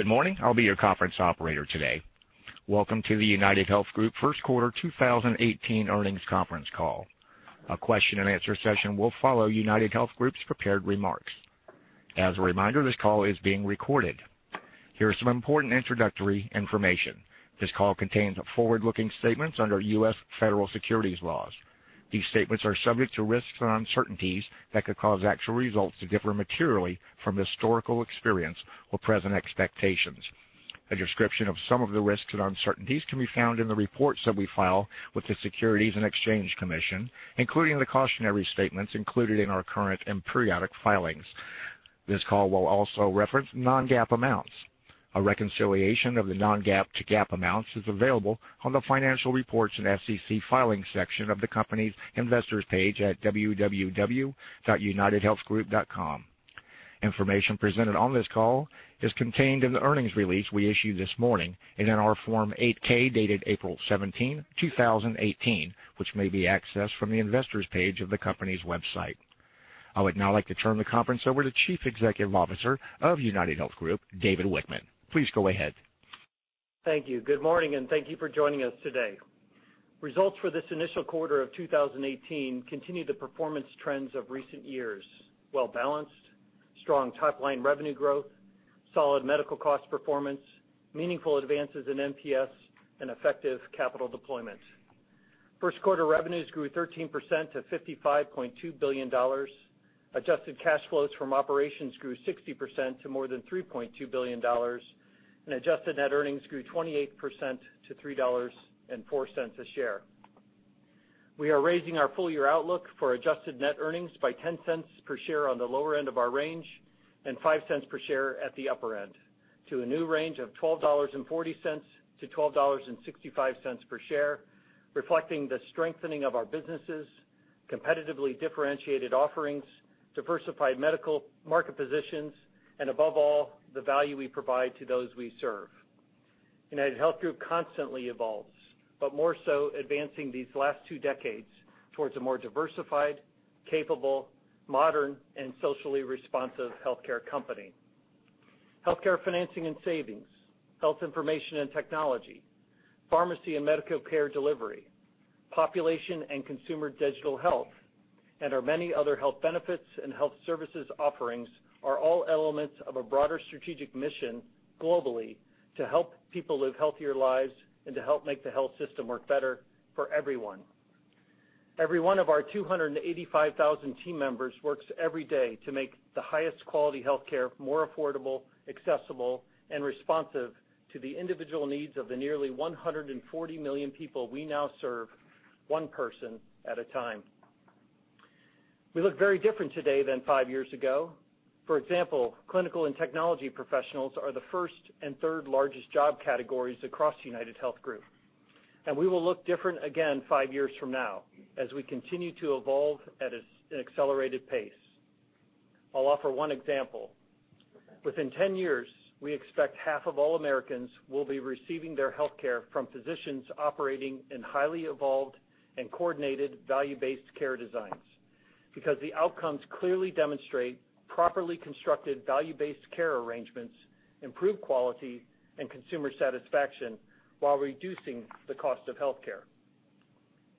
Good morning. I'll be your conference operator today. Welcome to the UnitedHealth Group first quarter 2018 earnings conference call. A question and answer session will follow UnitedHealth Group's prepared remarks. As a reminder, this call is being recorded. Here are some important introductory information. This call contains forward-looking statements under U.S. Federal Securities laws. These statements are subject to risks and uncertainties that could cause actual results to differ materially from historical experience or present expectations. A description of some of the risks and uncertainties can be found in the reports that we file with the Securities and Exchange Commission, including the cautionary statements included in our current and periodic filings. This call will also reference non-GAAP amounts. A reconciliation of the non-GAAP to GAAP amounts is available on the financial reports and SEC filings section of the company's investors page at www.unitedhealthgroup.com. Information presented on this call is contained in the earnings release we issued this morning and in our Form 8-K, dated April 17, 2018, which may be accessed from the investors page of the company's website. I would now like to turn the conference over to Chief Executive Officer of UnitedHealth Group, David Wichmann. Please go ahead. Thank you. Good morning. Thank you for joining us today. Results for this initial quarter of 2018 continue the performance trends of recent years, well-balanced, strong top-line revenue growth, solid medical cost performance, meaningful advances in NPS, and effective capital deployment. First quarter revenues grew 13% to $55.2 billion. Adjusted cash flows from operations grew 60% to more than $3.2 billion, and adjusted net earnings grew 28% to $3.04 a share. We are raising our full-year outlook for adjusted net earnings by $0.10 per share on the lower end of our range and $0.05 per share at the upper end to a new range of $12.40-$12.65 per share, reflecting the strengthening of our businesses, competitively differentiated offerings, diversified medical market positions, and above all, the value we provide to those we serve. UnitedHealth Group constantly evolves, more so advancing these last two decades towards a more diversified, capable, modern, and socially responsive healthcare company. Healthcare financing and savings, health information and technology, pharmacy and medical care delivery, population and consumer digital health, and our many other health benefits and health services offerings are all elements of a broader strategic mission globally to help people live healthier lives and to help make the health system work better for everyone. Every one of our 285,000 team members works every day to make the highest quality healthcare more affordable, accessible, and responsive to the individual needs of the nearly 140 million people we now serve, one person at a time. We look very different today than five years ago. For example, clinical and technology professionals are the first and third largest job categories across UnitedHealth Group. We will look different again five years from now as we continue to evolve at an accelerated pace. I will offer one example. Within 10 years, we expect half of all Americans will be receiving their healthcare from physicians operating in highly evolved and coordinated value-based care designs because the outcomes clearly demonstrate properly constructed value-based care arrangements, improve quality and consumer satisfaction while reducing the cost of healthcare.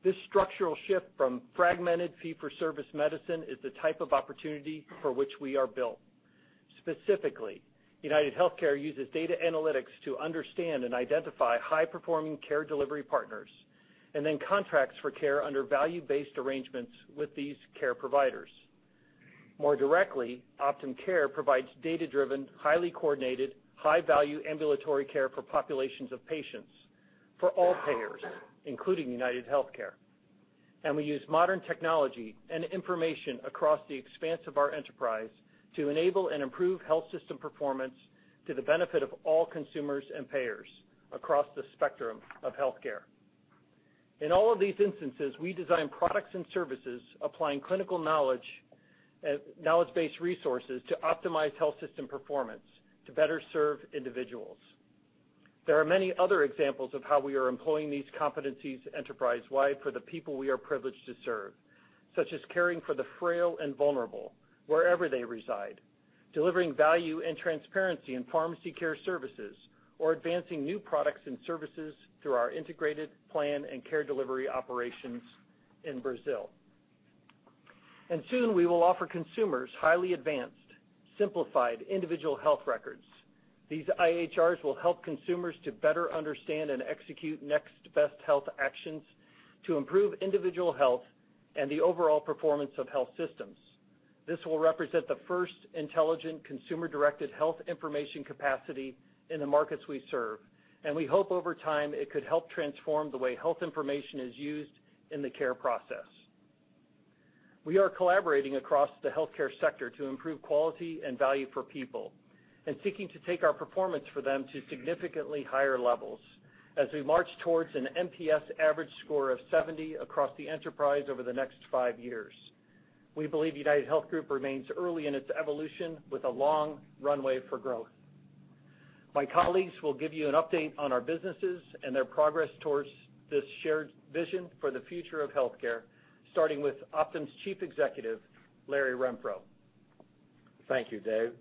This structural shift from fragmented fee-for-service medicine is the type of opportunity for which we are built. Specifically, UnitedHealthcare uses data analytics to understand and identify high-performing care delivery partners and then contracts for care under value-based arrangements with these care providers. More directly, Optum Care provides data-driven, highly coordinated, high-value ambulatory care for populations of patients for all payers, including UnitedHealthcare. We use modern technology and information across the expanse of our enterprise to enable and improve health system performance to the benefit of all consumers and payers across the spectrum of healthcare. In all of these instances, we design products and services applying clinical knowledge base resources to optimize health system performance to better serve individuals. There are many other examples of how we are employing these competencies enterprise-wide for the people we are privileged to serve, such as caring for the frail and vulnerable wherever they reside, delivering value and transparency in pharmacy care services, or advancing new products and services through our integrated plan and care delivery operations in Brazil. Soon we will offer consumers highly advanced, simplified individual health records. These IHRs will help consumers to better understand and execute next best health actions to improve individual health and the overall performance of health systems. This will represent the first intelligent consumer-directed health information capacity in the markets we serve, and we hope over time it could help transform the way health information is used in the care process. We are collaborating across the healthcare sector to improve quality and value for people and seeking to take our performance for them to significantly higher levels as we march towards an NPS average score of 70 across the enterprise over the next five years. We believe UnitedHealth Group remains early in its evolution with a long runway for growth. My colleagues will give you an update on our businesses and their progress towards this shared vision for the future of healthcare. Starting with Optum’s Chief Executive, Larry Renfro. Thank you, Dave.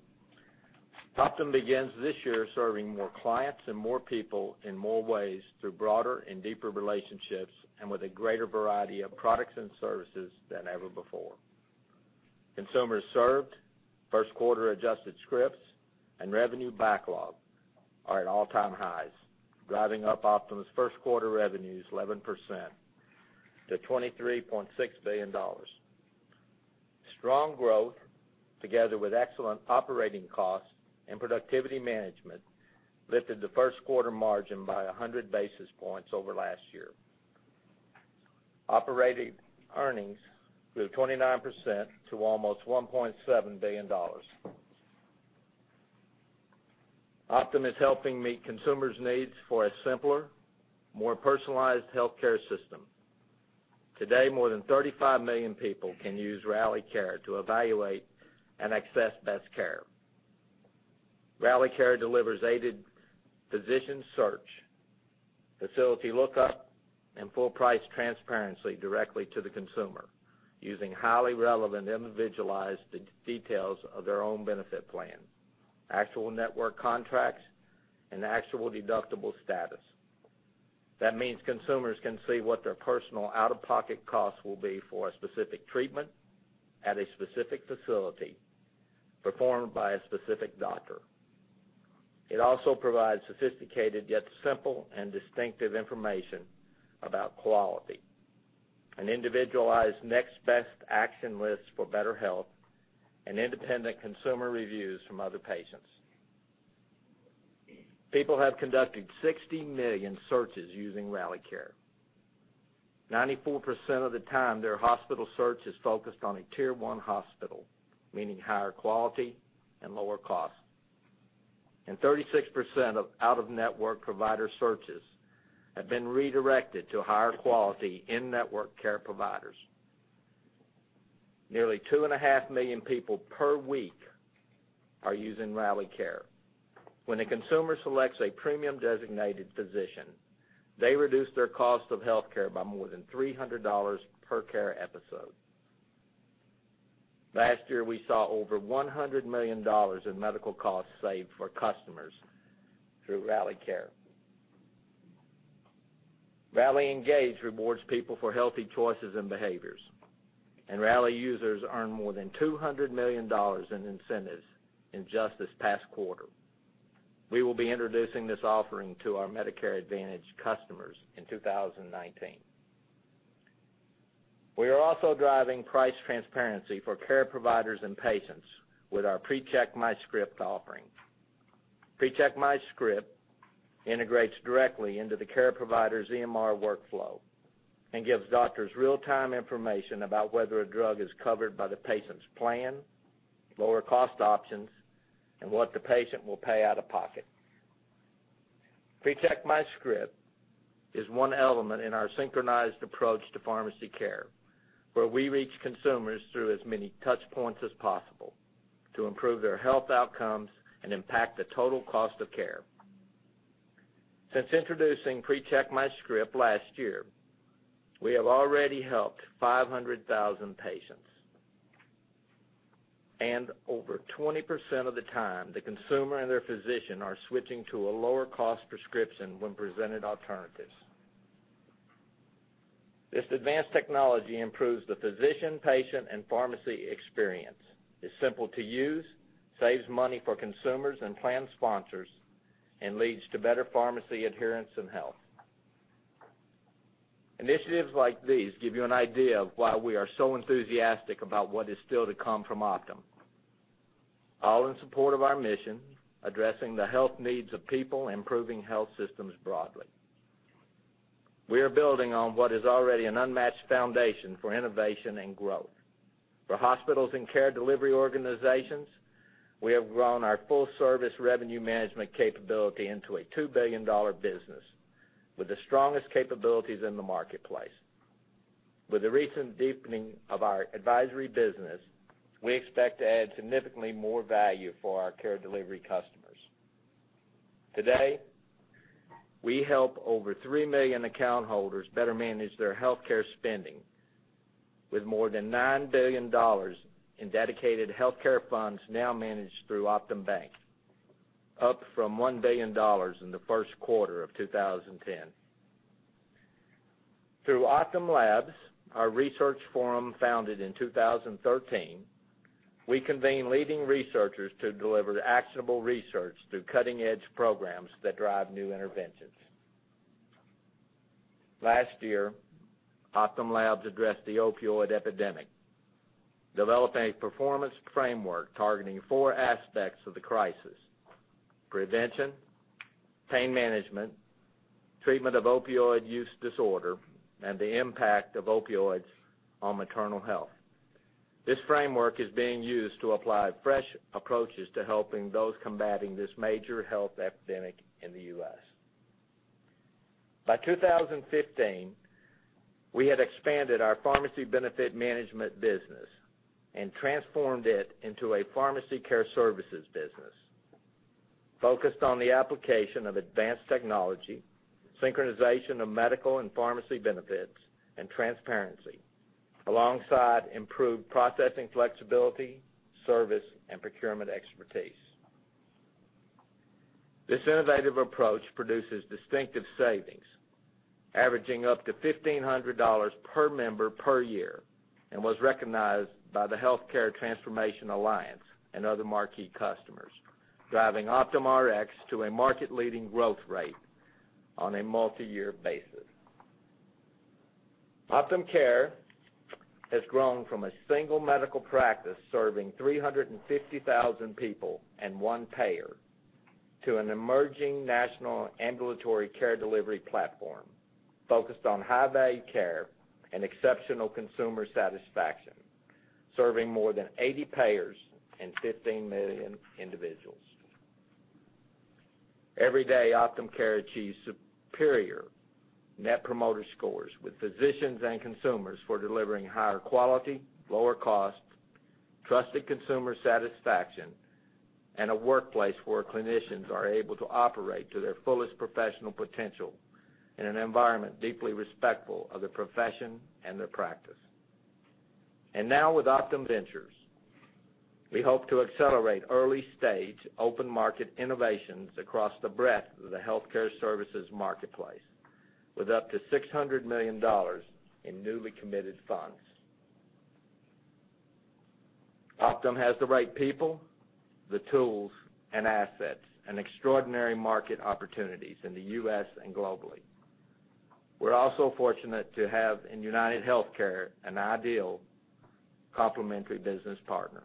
Optum begins this year serving more clients and more people in more ways through broader and deeper relationships, and with a greater variety of products and services than ever before. Consumers served, first quarter adjusted scripts, and revenue backlog are at all-time highs, driving up Optum’s first quarter revenues 11% to $23.6 billion. Strong growth, together with excellent operating costs and productivity management, lifted the first quarter margin by 100 basis points over last year. Operating earnings grew 29% to almost $1.7 billion. Optum is helping meet consumers’ needs for a simpler, more personalized healthcare system. Today, more than 35 million people can use Rally to evaluate and access best care. Rally delivers aided physician search, facility lookup, and full price transparency directly to the consumer, using highly relevant, individualized details of their own benefit plan, actual network contracts, and actual deductible status. That means consumers can see what their personal out-of-pocket costs will be for a specific treatment, at a specific facility, performed by a specific doctor. It also provides sophisticated, yet simple and distinctive information about quality, an individualized next best action list for better health, and independent consumer reviews from other patients. People have conducted 60 million searches using RallyCare. 94% of the time, their hospital search is focused on a Tier 1 hospital, meaning higher quality and lower cost. 36% of out-of-network provider searches have been redirected to higher quality in-network care providers. Nearly two and a half million people per week are using RallyCare. When a consumer selects a premium designated physician, they reduce their cost of healthcare by more than $300 per care episode. Last year, we saw over $100 million in medical costs saved for customers through RallyCare. Rally Engage rewards people for healthy choices and behaviors. Rally users earn more than $200 million in incentives in just this past quarter. We will be introducing this offering to our Medicare Advantage customers in 2019. We are also driving price transparency for care providers and patients with our PreCheck MyScript offering. PreCheck MyScript integrates directly into the care provider's EMR workflow and gives doctors real-time information about whether a drug is covered by the patient's plan, lower cost options, and what the patient will pay out of pocket. PreCheck MyScript is one element in our synchronized approach to pharmacy care, where we reach consumers through as many touchpoints as possible to improve their health outcomes and impact the total cost of care. Since introducing PreCheck MyScript last year, we have already helped 500,000 patients, and over 20% of the time, the consumer and their physician are switching to a lower cost prescription when presented alternatives. This advanced technology improves the physician, patient, and pharmacy experience. It's simple to use, saves money for consumers and plan sponsors, and leads to better pharmacy adherence and health. Initiatives like these give you an idea of why we are so enthusiastic about what is still to come from Optum. All in support of our mission, addressing the health needs of people, and improving health systems broadly. We are building on what is already an unmatched foundation for innovation and growth. For hospitals and care delivery organizations, we have grown our full-service revenue management capability into a $2 billion business with the strongest capabilities in the marketplace. With the recent deepening of our advisory business, we expect to add significantly more value for our care delivery customers. Today, we help over 3 million account holders better manage their healthcare spending, with more than $9 billion in dedicated healthcare funds now managed through Optum Bank, up from $1 billion in the first quarter of 2010. Through Optum Labs, our research forum founded in 2013, we convene leading researchers to deliver actionable research through cutting-edge programs that drive new interventions. Last year, Optum Labs addressed the opioid epidemic, developing a performance framework targeting four aspects of the crisis: prevention, pain management, treatment of opioid use disorder, and the impact of opioids on maternal health. This framework is being used to apply fresh approaches to helping those combating this major health epidemic in the U.S. By 2015, we had expanded our pharmacy benefit management business and transformed it into a pharmacy care services business. Focused on the application of advanced technology, synchronization of medical and pharmacy benefits, and transparency, alongside improved processing flexibility, service, and procurement expertise. This innovative approach produces distinctive savings averaging up to $1,500 per member per year and was recognized by the Healthcare Transformation Alliance and other marquee customers, driving OptumRx to a market-leading growth rate on a multi-year basis. Optum Care has grown from a single medical practice serving 350,000 people and one payer to an emerging national ambulatory care delivery platform focused on high-value care and exceptional consumer satisfaction, serving more than 80 payers and 15 million individuals. Every day, Optum Care achieves superior Net Promoter Scores with physicians and consumers for delivering higher quality, lower cost, trusted consumer satisfaction, and a workplace where clinicians are able to operate to their fullest professional potential in an environment deeply respectful of their profession and their practice. Now with Optum Ventures, we hope to accelerate early-stage open-market innovations across the breadth of the healthcare services marketplace with up to $600 million in newly committed funds. Optum has the right people, the tools and assets, and extraordinary market opportunities in the U.S. and globally. We're also fortunate to have in UnitedHealthcare an ideal complementary business partner.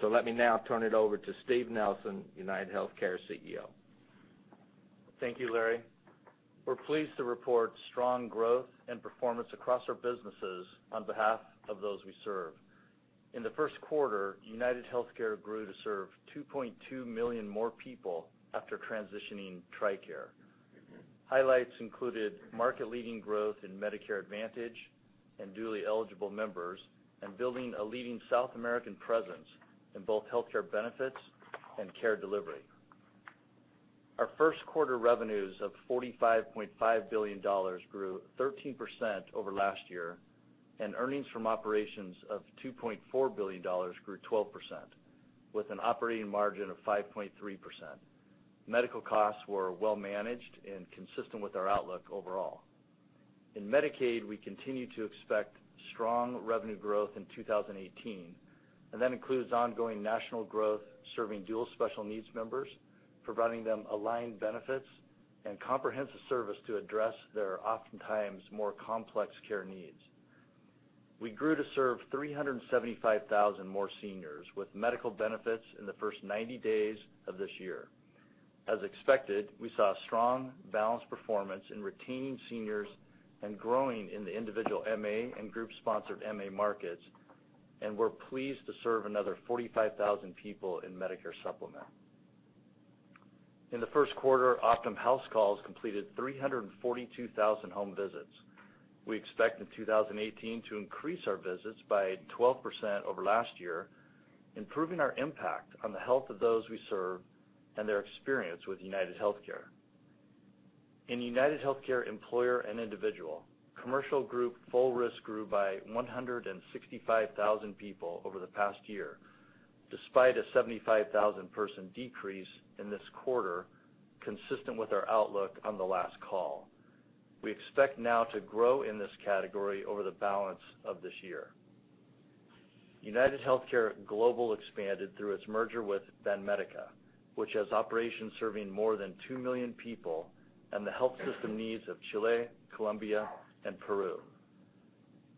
Let me now turn it over to Steve Nelson, UnitedHealthcare CEO. Thank you, Larry. We're pleased to report strong growth and performance across our businesses on behalf of those we serve. In the first quarter, UnitedHealthcare grew to serve 2.2 million more people after transitioning TRICARE. Highlights included market-leading growth in Medicare Advantage and dually eligible members, and building a leading South American presence in both healthcare benefits and care delivery. Our first quarter revenues of $45.5 billion grew 13% over last year, and earnings from operations of $2.4 billion grew 12%, with an operating margin of 5.3%. Medical costs were well managed and consistent with our outlook overall. In Medicaid, we continue to expect strong revenue growth in 2018, and that includes ongoing national growth serving dual special needs members, providing them aligned benefits and comprehensive service to address their oftentimes more complex care needs. We grew to serve 375,000 more seniors with medical benefits in the first 90 days of this year. As expected, we saw strong, balanced performance in retaining seniors and growing in the individual MA and group-sponsored MA markets, and we're pleased to serve another 45,000 people in Medicare Supplement. In the first quarter, Optum HouseCalls completed 342,000 home visits. We expect in 2018 to increase our visits by 12% over last year, improving our impact on the health of those we serve and their experience with UnitedHealthcare. In UnitedHealthcare employer and individual, commercial group full risk grew by 165,000 people over the past year, despite a 75,000 person decrease in this quarter, consistent with our outlook on the last call. We expect now to grow in this category over the balance of this year. UnitedHealthcare Global expanded through its merger with Banmédica, which has operations serving more than 2 million people and the health system needs of Chile, Colombia, and Peru.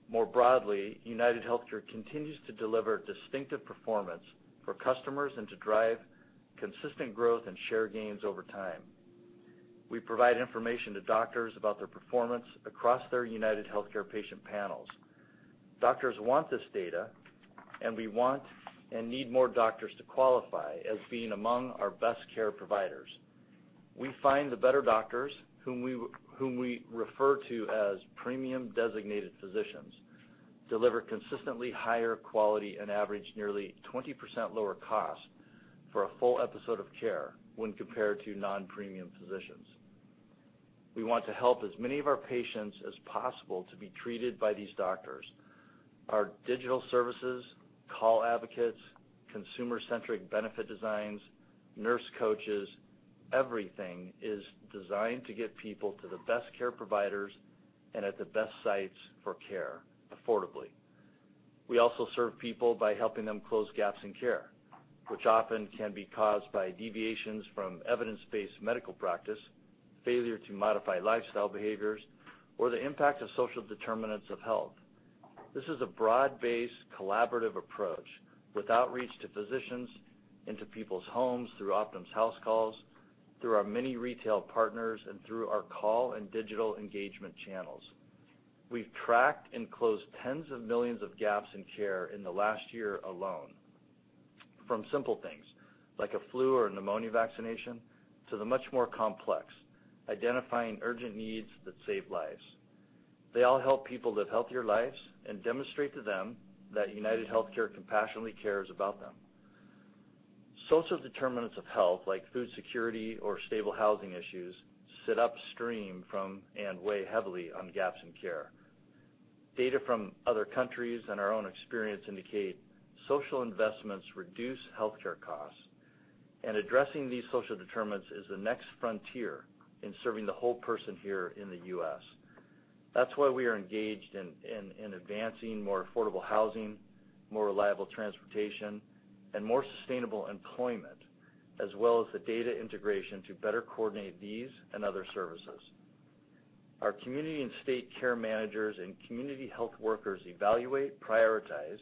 More broadly, UnitedHealthcare continues to deliver distinctive performance for customers and to drive consistent growth and share gains over time. We provide information to doctors about their performance across their UnitedHealthcare patient panels. Doctors want this data, and we want and need more doctors to qualify as being among our best care providers. We find the better doctors, whom we refer to as premium designated physicians, deliver consistently higher quality and average nearly 20% lower cost for a full episode of care when compared to non-premium physicians. We want to help as many of our patients as possible to be treated by these doctors. Our digital services, call advocates, consumer-centric benefit designs, nurse coaches, everything is designed to get people to the best care providers and at the best sites for care affordably. We also serve people by helping them close gaps in care, which often can be caused by deviations from evidence-based medical practice, failure to modify lifestyle behaviors, or the impact of social determinants of health. This is a broad-based collaborative approach with outreach to physicians into people's homes through Optum HouseCalls, through our many retail partners, and through our call and digital engagement channels. We've tracked and closed tens of millions of gaps in care in the last year alone, from simple things like a flu or pneumonia vaccination, to the much more complex, identifying urgent needs that save lives. They all help people live healthier lives and demonstrate to them that UnitedHealthcare compassionately cares about them. Social determinants of health, like food security or stable housing issues, sit upstream from and weigh heavily on gaps in care. Data from other countries and our own experience indicate social investments reduce healthcare costs, and addressing these social determinants is the next frontier in serving the whole person here in the U.S. That's why we are engaged in advancing more affordable housing, more reliable transportation, and more sustainable employment, as well as the data integration to better coordinate these and other services. Our community and state care managers and community health workers evaluate, prioritize,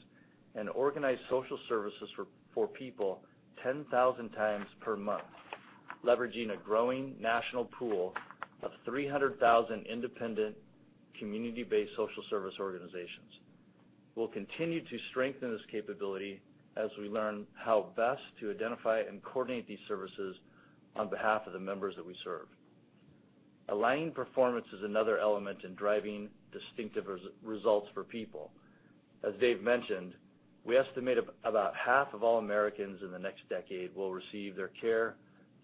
and organize social services for people 10,000 times per month, leveraging a growing national pool of 300,000 independent community-based social service organizations. We'll continue to strengthen this capability as we learn how best to identify and coordinate these services on behalf of the members that we serve. Aligning performance is another element in driving distinctive results for people. As Dave mentioned, we estimate about half of all Americans in the next decade will receive their care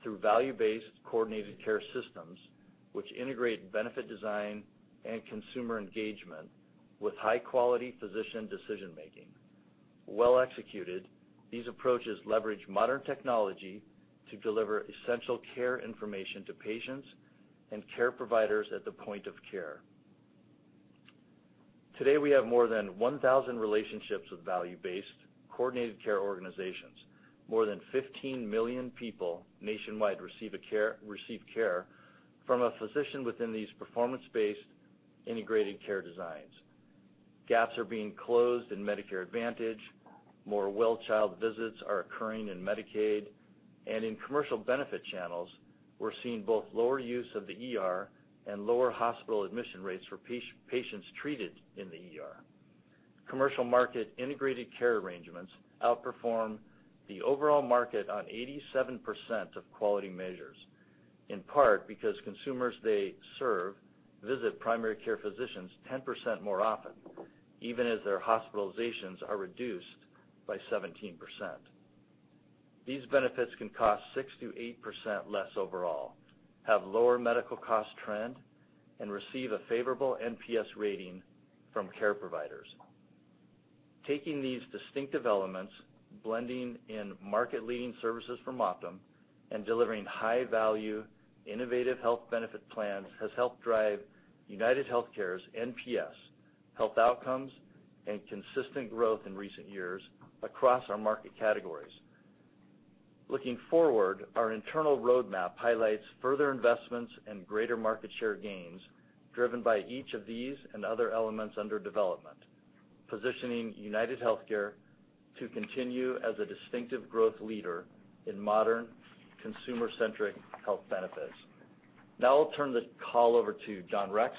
through value-based coordinated care systems, which integrate benefit design and consumer engagement with high-quality physician decision-making. Well executed, these approaches leverage modern technology to deliver essential care information to patients and care providers at the point of care. Today, we have more than 1,000 relationships with value-based coordinated care organizations. More than 15 million people nationwide receive care from a physician within these performance-based integrated care designs. Gaps are being closed in Medicare Advantage, more well-child visits are occurring in Medicaid, and in commercial benefit channels, we're seeing both lower use of the ER and lower hospital admission rates for patients treated in the ER. Commercial market integrated care arrangements outperform the overall market on 87% of quality measures, in part because consumers they serve visit primary care physicians 10% more often, even as their hospitalizations are reduced by 17%. These benefits can cost 6%-8% less overall, have lower medical cost trend, and receive a favorable NPS rating from care providers. Taking these distinctive elements, blending in market-leading services from Optum, and delivering high-value, innovative health benefit plans has helped drive UnitedHealthcare's NPS health outcomes and consistent growth in recent years across our market categories. Looking forward, our internal roadmap highlights further investments and greater market share gains driven by each of these and other elements under development, positioning UnitedHealthcare to continue as a distinctive growth leader in modern consumer-centric health benefits. I'll turn this call over to John Rex,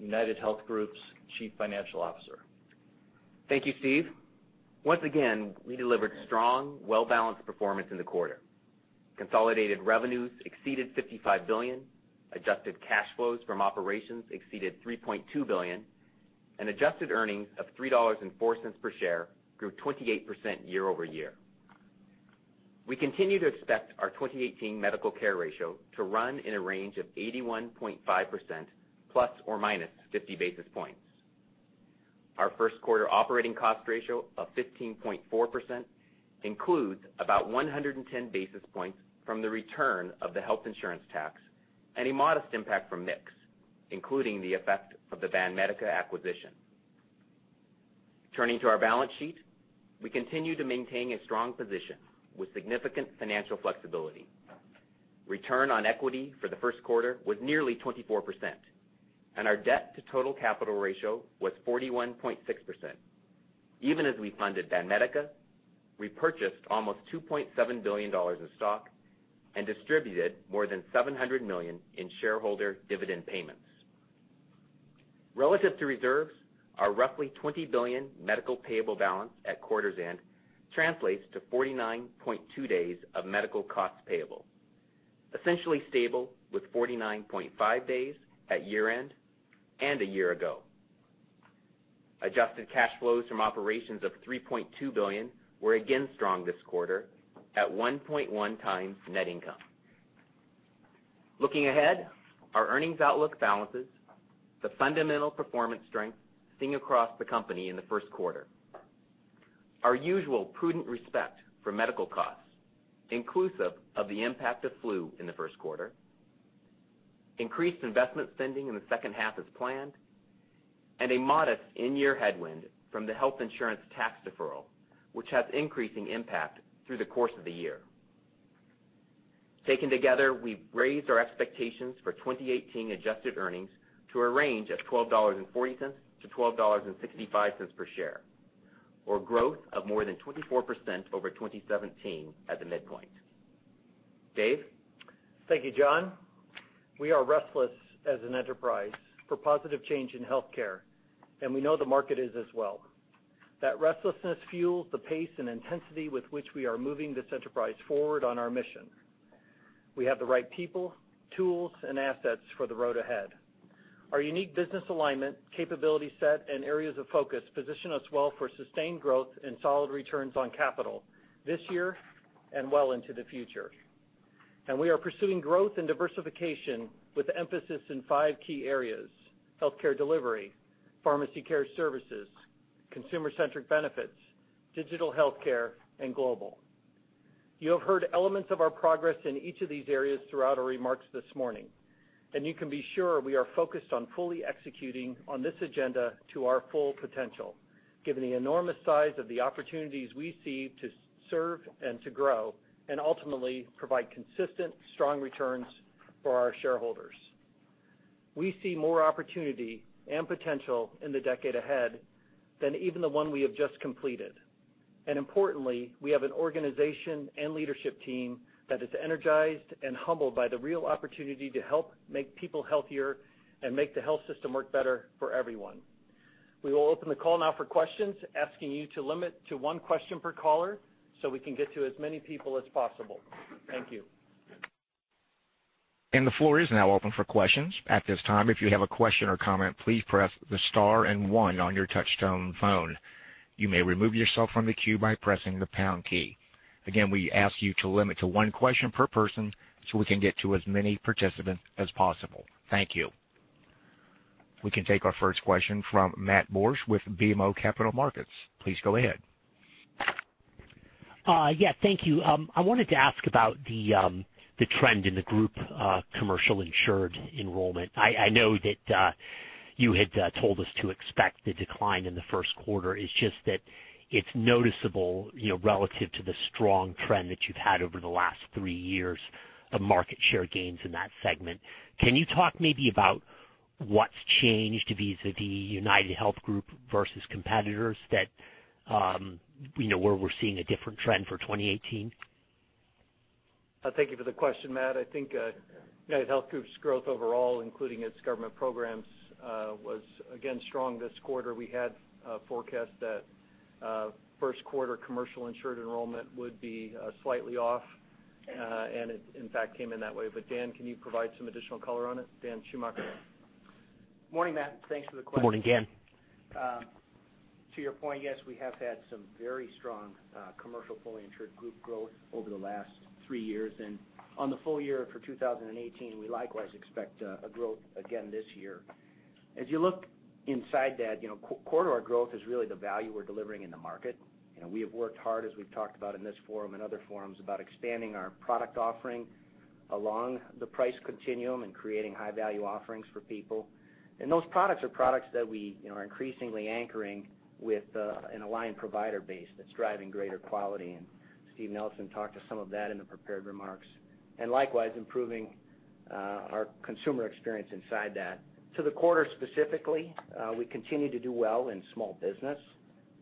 UnitedHealth Group's Chief Financial Officer. Thank you, Steve. Once again, we delivered strong, well-balanced performance in the quarter. Consolidated revenues exceeded $55 billion, adjusted cash flows from operations exceeded $3.2 billion, and adjusted earnings of $3.04 per share grew 28% year-over-year. We continue to expect our 2018 medical care ratio to run in a range of 81.5% ± 50 basis points. Our first quarter operating cost ratio of 15.4% includes about 110 basis points from the return of the health insurance tax and a modest impact from mix, including the effect of the Banmédica acquisition. Turning to our balance sheet, we continue to maintain a strong position with significant financial flexibility. Return on equity for the first quarter was nearly 24%, and our debt to total capital ratio was 41.6%. Even as we funded Banmédica, we purchased almost $2.7 billion in stock and distributed more than $700 million in shareholder dividend payments. Relative to reserves, our roughly $20 billion medical payable balance at quarter's end translates to 49.2 days of medical costs payable, essentially stable with 49.5 days at year end and a year ago. Adjusted cash flows from operations of $3.2 billion were again strong this quarter at 1.1 times net income. Looking ahead, our earnings outlook balances the fundamental performance strength seen across the company in the first quarter. Our usual prudent respect for medical costs, inclusive of the impact of flu in the first quarter, increased investment spending in the second half as planned, and a modest in-year headwind from the health insurance tax deferral, which has increasing impact through the course of the year. Taken together, we've raised our expectations for 2018 adjusted earnings to a range of $12.40 to $12.65 per share, or growth of more than 24% over 2017 at the midpoint. Dave? Thank you, John. We are restless as an enterprise for positive change in healthcare, we know the market is as well. That restlessness fuels the pace and intensity with which we are moving this enterprise forward on our mission. We have the right people, tools, and assets for the road ahead. Our unique business alignment, capability set, and areas of focus position us well for sustained growth and solid returns on capital this year and well into the future. We are pursuing growth and diversification with emphasis in five key areas: healthcare delivery, pharmacy care services, consumer-centric benefits, digital healthcare, and global. You have heard elements of our progress in each of these areas throughout our remarks this morning, you can be sure we are focused on fully executing on this agenda to our full potential, given the enormous size of the opportunities we see to serve and to grow and ultimately provide consistent, strong returns for our shareholders. We see more opportunity and potential in the decade ahead than even the one we have just completed. Importantly, we have an organization and leadership team that is energized and humbled by the real opportunity to help make people healthier and make the health system work better for everyone. We will open the call now for questions, asking you to limit to one question per caller so we can get to as many people as possible. Thank you. The floor is now open for questions. At this time, if you have a question or comment, please press the star and one on your touch-tone phone. You may remove yourself from the queue by pressing the pound key. Again, we ask you to limit to one question per person so we can get to as many participants as possible. Thank you. We can take our first question from Matt Borsch with BMO Capital Markets. Please go ahead. Yeah. Thank you. I wanted to ask about the trend in the group commercial insured enrollment. I know that you had told us to expect the decline in the first quarter. It's just that it's noticeable relative to the strong trend that you've had over the last three years of market share gains in that segment. Can you talk maybe about what's changed vis-a-vis UnitedHealth Group versus competitors that where we're seeing a different trend for 2018? Thank you for the question, Matt. I think UnitedHealth Group's growth overall, including its government programs, was again strong this quarter. We had forecast that first quarter commercial insured enrollment would be slightly off, and it in fact came in that way. Dan, can you provide some additional color on it? Dan Schumacher. Morning, Matt. Thanks for the question. Morning, Dan. To your point, yes, we have had some very strong commercial fully insured group growth over the last three years. On the full year for 2018, we likewise expect a growth again this year. As you look inside that, quarter-over-growth is really the value we're delivering in the market. We have worked hard, as we've talked about in this forum and other forums, about expanding our product offering along the price continuum and creating high-value offerings for people. Those products are products that we are increasingly anchoring with an aligned provider base that's driving greater quality, and Steve Nelson talked to some of that in the prepared remarks, and likewise, improving our consumer experience inside that. To the quarter specifically, we continue to do well in small business.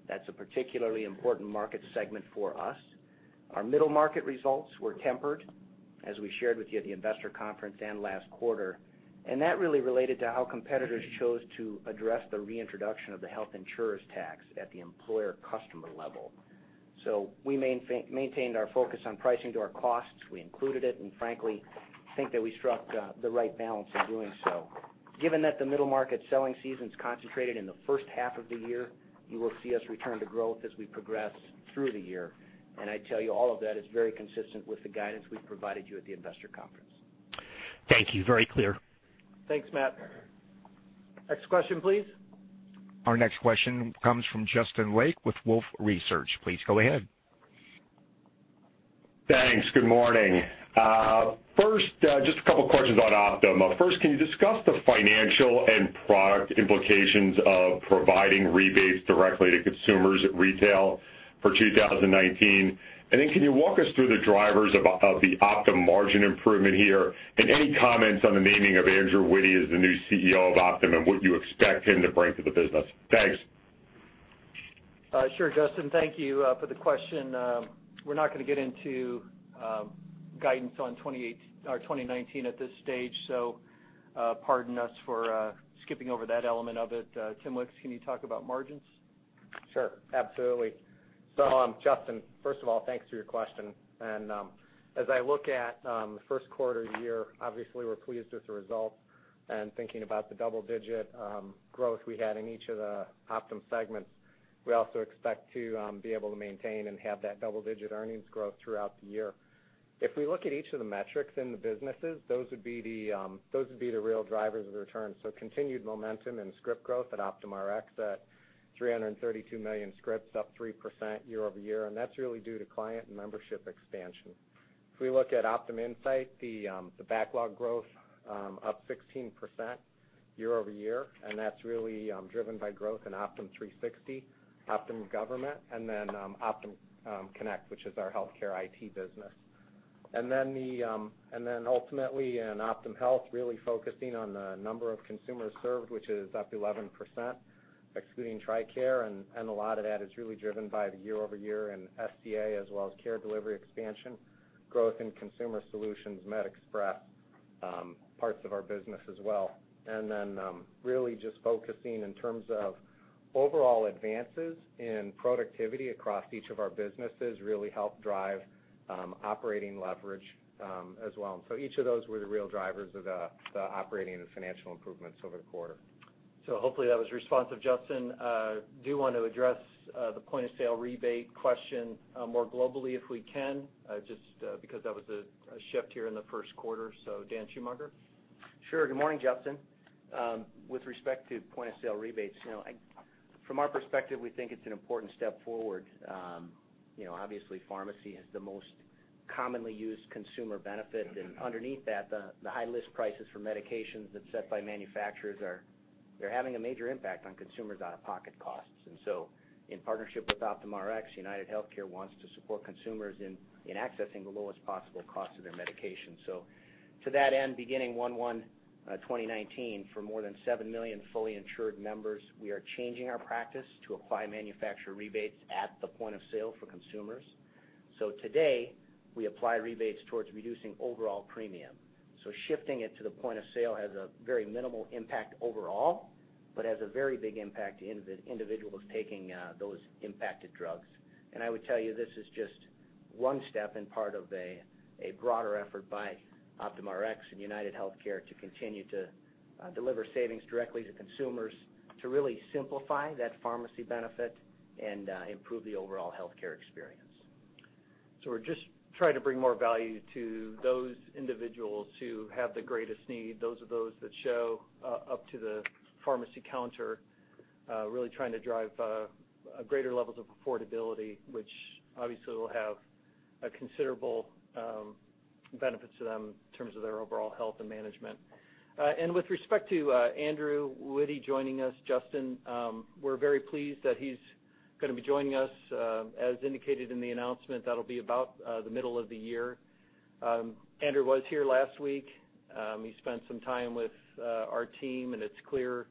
That's a particularly important market segment for us. Our middle market results were tempered, as we shared with you at the investor conference and last quarter, that really related to how competitors chose to address the reintroduction of the health insurance tax at the employer customer level. We maintained our focus on pricing to our costs. We included it and frankly think that we struck the right balance in doing so. Given that the middle market selling season's concentrated in the first half of the year, you will see us return to growth as we progress through the year. I tell you all of that is very consistent with the guidance we provided you at the investor conference. Thank you. Very clear. Thanks, Matt. Next question, please. Our next question comes from Justin Lake with Wolfe Research. Please go ahead. Thanks. Good morning. First, just a couple questions on Optum. First, can you discuss the financial and product implications of providing rebates directly to consumers at retail for 2019? Can you walk us through the drivers of the Optum margin improvement here? Any comments on the naming of Andrew Witty as the new CEO of Optum and what you expect him to bring to the business? Thanks. Sure, Justin. Thank you for the question. We're not going to get into guidance on 2019 at this stage, pardon us for skipping over that element of it. Tim Wicks, can you talk about margins? Sure. Absolutely. Justin, first of all, thanks for your question. As I look at the first quarter of the year, obviously we're pleased with the results and thinking about the double-digit growth we had in each of the Optum segments. We also expect to be able to maintain and have that double-digit earnings growth throughout the year. If we look at each of the metrics in the businesses, those would be the real drivers of the return. Continued momentum and script growth at OptumRx at 332 million scripts up 3% year-over-year, and that's really due to client membership expansion. If we look at OptumInsight, the backlog growth up 16% year-over-year, and that's really driven by growth in Optum 360, Optum Government, and then Optum Connect, which is our healthcare IT business. Ultimately in OptumHealth, really focusing on the number of consumers served, which is up 11%, excluding TRICARE, a lot of that is really driven by the year-over-year in SCA as well as care delivery expansion growth in consumer solutions, MedExpress parts of our business as well. Really just focusing in terms of overall advances in productivity across each of our businesses really help drive operating leverage as well. Each of those were the real drivers of the operating and financial improvements over the quarter. Hopefully that was responsive, Justin. Do want to address the point of sale rebate question more globally if we can, just because that was a shift here in the first quarter. Dan Schumacher? Sure. Good morning, Justin. With respect to point of sale rebates, from our perspective, we think it's an important step forward. Obviously pharmacy is the most commonly used consumer benefit, underneath that, the high list prices for medications that's set by manufacturers are having a major impact on consumers' out-of-pocket costs. In partnership with OptumRx, UnitedHealthcare wants to support consumers in accessing the lowest possible cost of their medications. To that end, beginning 01/01/2019, for more than 7 million fully insured members, we are changing our practice to apply manufacturer rebates at the point of sale for consumers. Today, we apply rebates towards reducing overall premium. Shifting it to the point of sale has a very minimal impact overall, but has a very big impact to individuals taking those impacted drugs. I would tell you, this is just one step in part of a broader effort by OptumRx and UnitedHealthcare to continue to deliver savings directly to consumers to really simplify that pharmacy benefit and improve the overall healthcare experience. We're just trying to bring more value to those individuals who have the greatest need. Those are those that show up to the pharmacy counter, really trying to drive greater levels of affordability, which obviously will have a considerable benefit to them in terms of their overall health and management. With respect to Andrew Witty joining us, Justin, we're very pleased that he's going to be joining us. As indicated in the announcement, that'll be about the middle of the year. Andrew was here last week. He spent some time with our team, and it's clear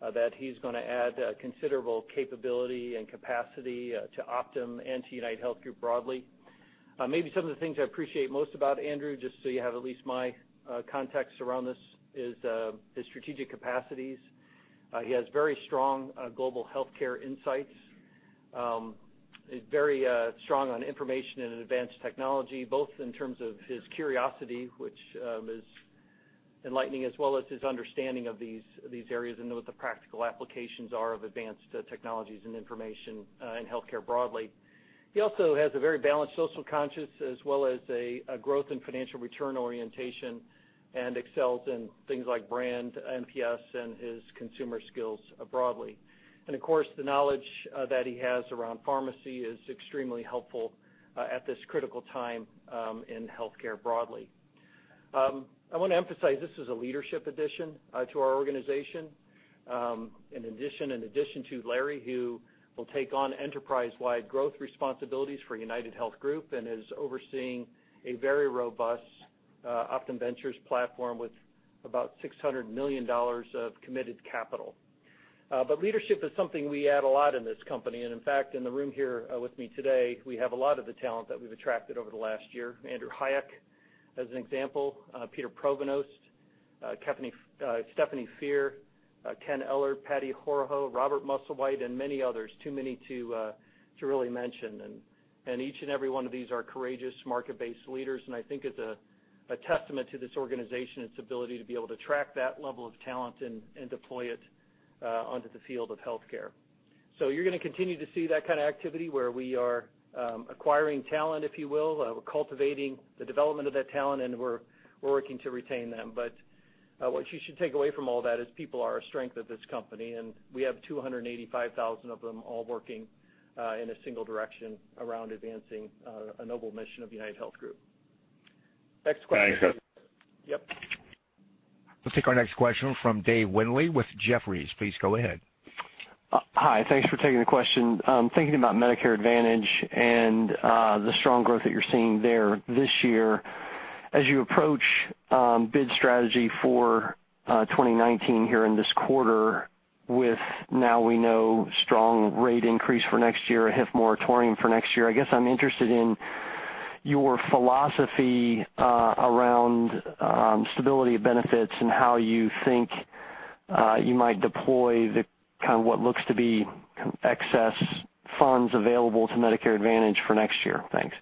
that he's going to add considerable capability and capacity to Optum and to UnitedHealth Group broadly. Maybe some of the things I appreciate most about Andrew, just so you have at least my context around this, is his strategic capacities. He has very strong global healthcare insights. He's very strong on information and advanced technology, both in terms of his curiosity, which is enlightening, as well as his understanding of these areas and what the practical applications are of advanced technologies and information in healthcare broadly. He also has a very balanced social conscience, as well as a growth in financial return orientation and excels in things like brand, NPS, and his consumer skills broadly. Of course, the knowledge that he has around pharmacy is extremely helpful at this critical time in healthcare broadly. I want to emphasize, this is a leadership addition to our organization. An addition to Larry, who will take on enterprise-wide growth responsibilities for UnitedHealth Group and is overseeing a very robust Optum Ventures platform with about $600 million of committed capital. Leadership is something we add a lot in this company, and in fact, in the room here with me today, we have a lot of the talent that we've attracted over the last year. Andrew Hayek, as an example, Peter Pronovost, Stephanie Phair, Ken Ehlert, Patty Horoho, Robert Musslewhite, and many others. Too many to really mention. Each and every one of these are courageous market-based leaders, and I think it's a testament to this organization, its ability to be able to attract that level of talent and deploy it onto the field of healthcare. You're going to continue to see that kind of activity where we are acquiring talent, if you will. We're cultivating the development of that talent, and we're working to retain them. What you should take away from all that is people are a strength of this company, and we have 285,000 of them all working in a single direction around advancing a noble mission of UnitedHealth Group. Next question. Thanks, Justin. Yep. Let's take our next question from Dave Windley with Jefferies. Please go ahead. Hi. Thanks for taking the question. Thinking about Medicare Advantage and the strong growth that you're seeing there this year, as you approach bid strategy for 2019 here in this quarter with now we know strong rate increase for next year, a HIF moratorium for next year, I guess I'm interested in your philosophy around stability of benefits and how you think you might deploy the kind of what looks to be excess funds available to Medicare Advantage for next year. Thanks.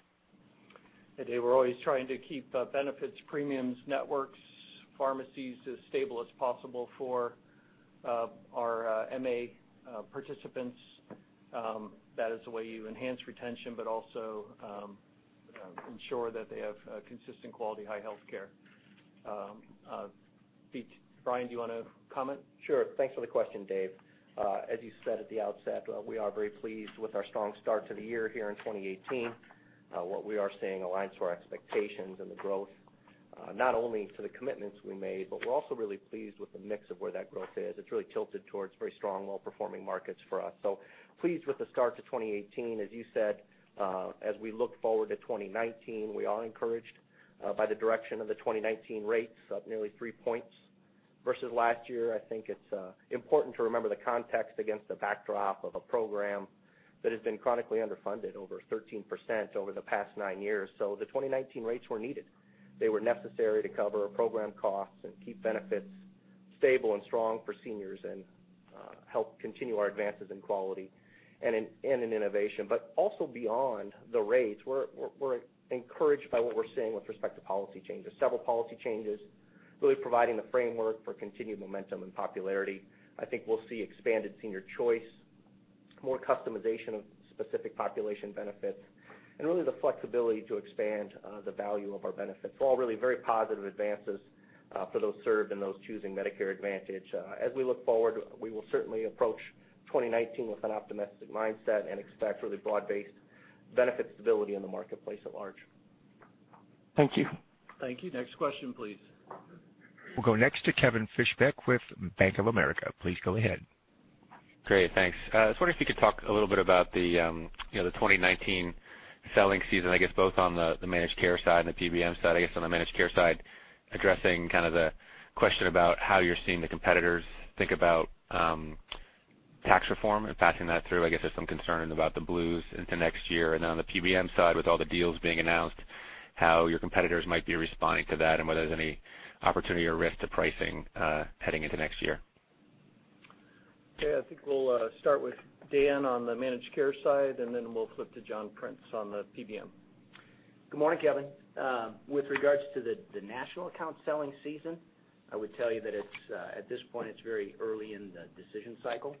Hey, Dave. We're always trying to keep benefits, premiums, networks, pharmacies as stable as possible for our MA participants. That is the way you enhance retention, but also ensure that they have consistent quality high healthcare. Brian, do you want to comment? Sure. Thanks for the question, Dave. As you said at the outset, we are very pleased with our strong start to the year here in 2018. What we are seeing aligns to our expectations and the growth, not only to the commitments we made, but we're also really pleased with the mix of where that growth is. It's really tilted towards very strong, well-performing markets for us. Pleased with the start to 2018. As you said, as we look forward to 2019, we are encouraged by the direction of the 2019 rates, up nearly three points versus last year. I think it's important to remember the context against the backdrop of a program that has been chronically underfunded over 13% over the past nine years. The 2019 rates were needed. They were necessary to cover program costs and keep benefits stable and strong for seniors, and help continue our advances in quality and in innovation. Also beyond the rates, we're encouraged by what we're seeing with respect to policy changes. Several policy changes really providing the framework for continued momentum and popularity. I think we'll see expanded senior choice, more customization of specific population benefits, and really the flexibility to expand the value of our benefits. All really very positive advances for those served and those choosing Medicare Advantage. As we look forward, we will certainly approach 2019 with an optimistic mindset and expect really broad-based benefit stability in the marketplace at large. Thank you. Thank you. Next question, please. We'll go next to Kevin Fischbeck with Bank of America. Please go ahead. Great, thanks. I was wondering if you could talk a little bit about the 2019 selling season, I guess both on the managed care side and the PBM side. I guess on the managed care side, addressing the question about how you're seeing the competitors think about tax reform and passing that through. I guess there's some concern about the Blues into next year. Then on the PBM side, with all the deals being announced, how your competitors might be responding to that, and whether there's any opportunity or risk to pricing heading into next year. Okay. I think we'll start with Dan on the managed care side, and then we'll flip to John Prince on the PBM. Good morning, Kevin. With regards to the national account selling season, I would tell you that at this point, it's very early in the decision cycle.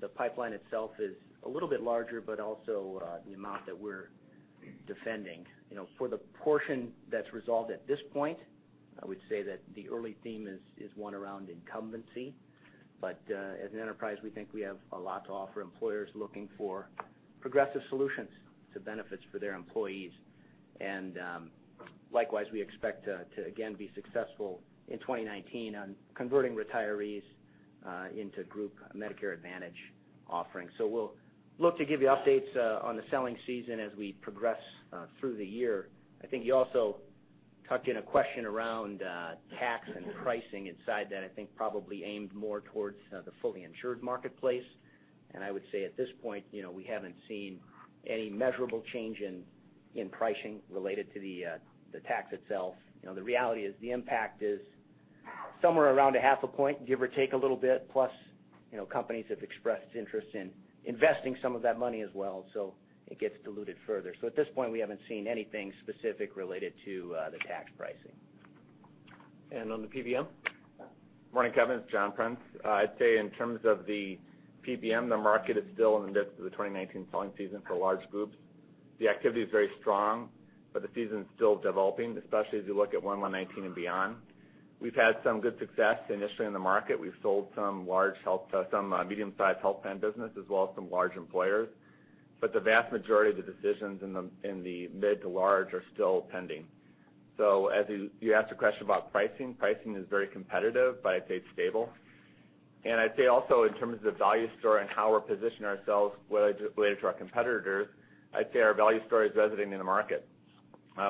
The pipeline itself is a little bit larger, but also the amount that we're defending. For the portion that's resolved at this point, I would say that the early theme is one around incumbency. As an enterprise, we think we have a lot to offer employers looking for progressive solutions to benefits for their employees. Likewise, we expect to again be successful in 2019 on converting retirees into group Medicare Advantage offerings. We'll look to give you updates on the selling season as we progress through the year. I think you also tucked in a question around tax and pricing inside that I think probably aimed more towards the fully insured marketplace. I would say at this point, we haven't seen any measurable change in pricing related to the tax itself. The reality is the impact is somewhere around a half a point, give or take a little bit, plus companies have expressed interest in investing some of that money as well, so it gets diluted further. At this point, we haven't seen anything specific related to the tax pricing. On the PBM? Morning, Kevin. It's John Prince. I'd say in terms of the PBM, the market is still in the midst of the 2019 selling season for large groups. The activity is very strong, but the season's still developing, especially as you look at 119 and beyond. We've had some good success initially in the market. We've sold some medium-sized health plan business as well as some large employers. The vast majority of the decisions in the mid to large are still pending. As you asked a question about pricing is very competitive, but I'd say it's stable. I'd say also in terms of the value story and how we position ourselves relative to our competitors, I'd say our value story is resonating in the market.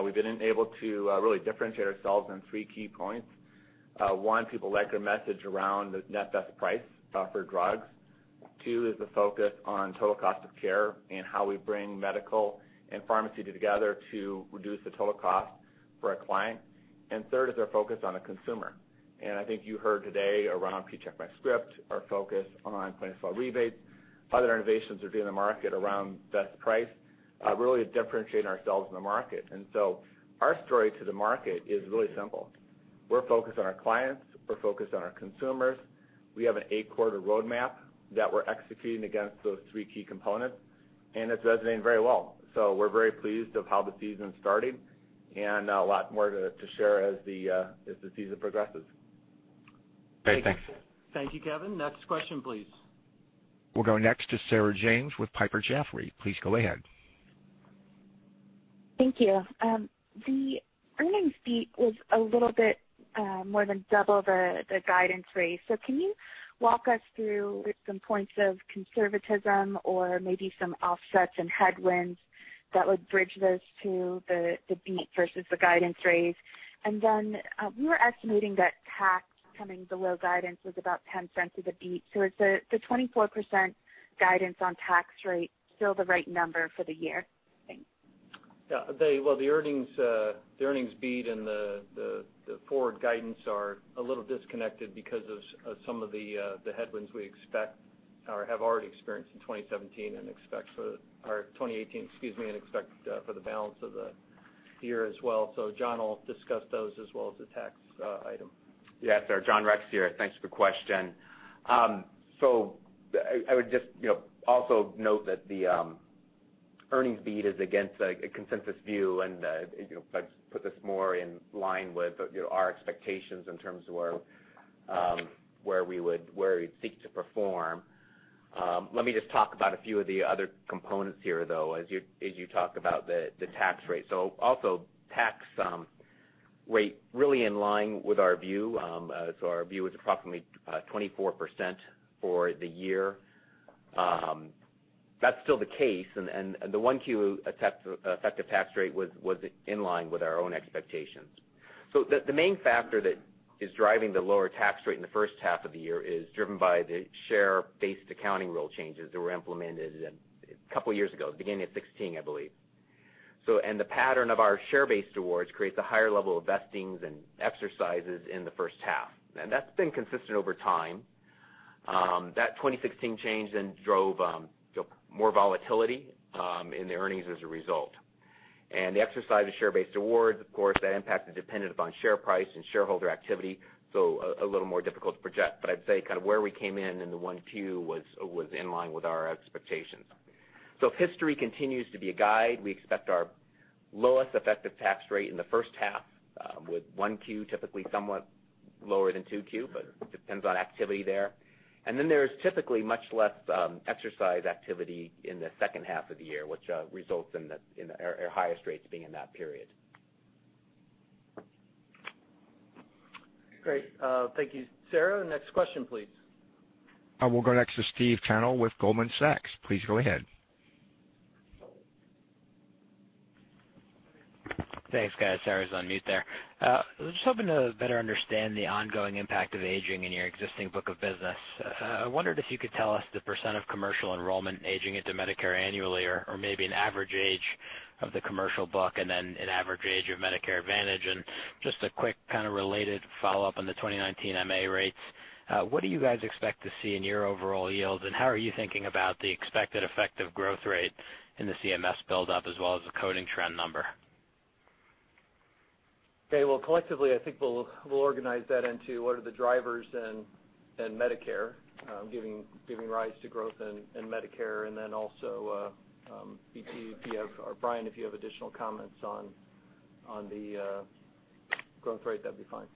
We've been able to really differentiate ourselves on three key points. One, people like our message around the net best price for drugs. Two is the focus on total cost of care and how we bring medical and pharmacy together to reduce the total cost for our client. Third is our focus on the consumer. I think you heard today around PreCheck MyScript, our focus on clinical rebates, other innovations are due in the market around best price, really differentiating ourselves in the market. Our story to the market is really simple. We're focused on our clients, we're focused on our consumers. We have an eight-quarter roadmap that we're executing against those three key components, and it's resonating very well. We're very pleased of how the season's starting, and a lot more to share as the season progresses. Great, thanks. Thank you, Kevin. Next question, please. We'll go next to Sarah James with Piper Jaffray. Please go ahead. Thank you. The earnings beat was a little bit more than double the guidance raise. Can you walk us through some points of conservatism or maybe some offsets and headwinds that would bridge those to the beat versus the guidance raise? We were estimating that tax coming below guidance was about $0.10 of the beat. Is the 24% guidance on tax rate still the right number for the year? Thanks. The earnings beat and the forward guidance are a little disconnected because of some of the headwinds we expect or have already experienced in 2017 and expect for 2018, excuse me, and expect for the balance of the year as well. John will discuss those as well as the tax item. Sarah. John Rex here. Thanks for the question. I would just also note that the earnings beat is against a consensus view, and I'd put this more in line with our expectations in terms of where we would seek to perform. Let me just talk about a few of the other components here, though, as you talk about the tax rate. Also tax rate really in line with our view. Our view is approximately 24% for the year. That's still the case, and the 1Q effective tax rate was in line with our own expectations. The main factor that is driving the lower tax rate in the first half of the year is driven by the share-based accounting rule changes that were implemented a couple of years ago, at the beginning of 2016, I believe. The pattern of our share-based awards creates a higher level of vestings and exercises in the first half. That's been consistent over time. That 2016 change drove more volatility in the earnings as a result. The exercise of share-based awards, of course, that impact is dependent upon share price and shareholder activity, so a little more difficult to project. I'd say where we came in in the 1Q was in line with our expectations. If history continues to be a guide, we expect our lowest effective tax rate in the first half, with 1Q typically somewhat lower than 2Q, but it depends on activity there. There's typically much less exercise activity in the second half of the year, which results in our highest rates being in that period. Great. Thank you. Sarah, next question, please. We'll go next to Steve Tanal with Goldman Sachs. Please go ahead. Thanks, guys. Sarah's on mute there. I was just hoping to better understand the ongoing impact of aging in your existing book of business. I wondered if you could tell us the % of commercial enrollment aging into Medicare annually, or maybe an average age of the commercial book, and then an average age of Medicare Advantage. Just a quick kind of related follow-up on the 2019 MA rates. What do you guys expect to see in your overall yields, and how are you thinking about the expected effective growth rate in the CMS buildup as well as the coding trend number? Okay. Well, collectively, I think we'll organize that into what are the drivers in Medicare, giving rise to growth in Medicare, then also, Brian, if you have additional comments on the growth rate, that'd be fine.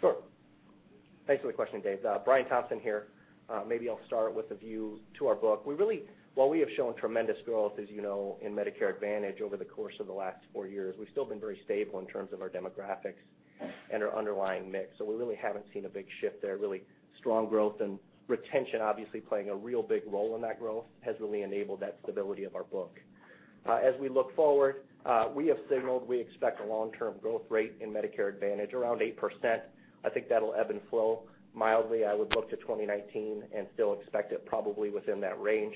Sure. Thanks for the question, Dave. Brian Thompson here. Maybe I'll start with a view to our book. While we have shown tremendous growth, as you know, in Medicare Advantage over the course of the last 4 years, we've still been very stable in terms of our demographics and our underlying mix. We really haven't seen a big shift there. Really strong growth and retention obviously playing a real big role in that growth has really enabled that stability of our book. As we look forward, we have signaled we expect a long-term growth rate in Medicare Advantage around 8%. I think that'll ebb and flow mildly. I would look to 2019 and still expect it probably within that range.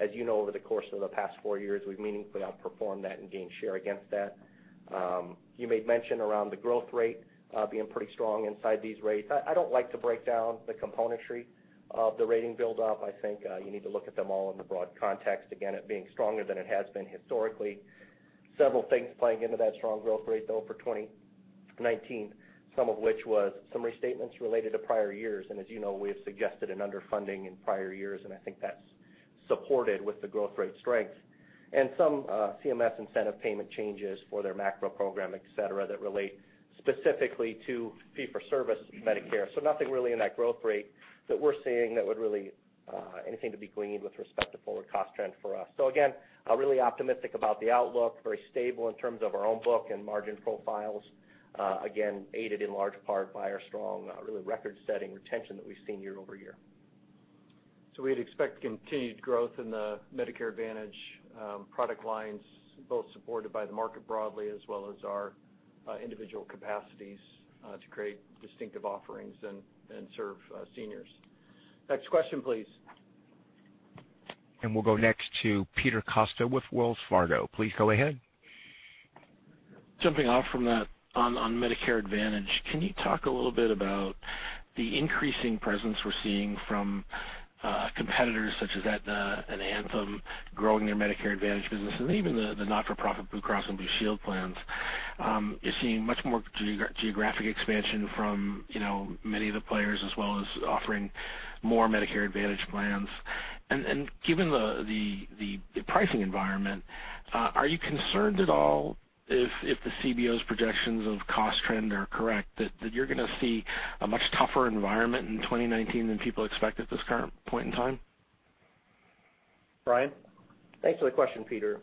As you know, over the course of the past 4 years, we've meaningfully outperformed that and gained share against that. You made mention around the growth rate being pretty strong inside these rates. I don't like to break down the componentry of the rating buildup. I think you need to look at them all in the broad context. Again, it being stronger than it has been historically. Several things playing into that strong growth rate, though, for 2019, some of which was some restatements related to prior years. As you know, we have suggested an underfunding in prior years, and I think that's supported with the growth rate strength. Some CMS incentive payment changes for their MACRA program, et cetera, that relate specifically to fee-for-service Medicare. Nothing really in that growth rate that we're seeing that would really anything to be gleaning with respect to forward cost trend for us. Again, really optimistic about the outlook. Very stable in terms of our own book and margin profiles. Again, aided in large part by our strong, really record-setting retention that we've seen year-over-year. We'd expect continued growth in the Medicare Advantage product lines, both supported by the market broadly as well as our individual capacities to create distinctive offerings and serve seniors. Next question, please. We'll go next to Peter Costa with Wells Fargo. Please go ahead. Jumping off from that, on Medicare Advantage, can you talk a little bit about the increasing presence we're seeing from competitors such as Aetna and Anthem growing their Medicare Advantage business, and even the not-for-profit Blue Cross and Blue Shield plans? You're seeing much more geographic expansion from many of the players as well as offering more Medicare Advantage plans. Given the pricing environment, are you concerned at all if the CBO's projections of cost trend are correct, that you're going to see a much tougher environment in 2019 than people expect at this current point in time? Brian? Thanks for the question, Peter.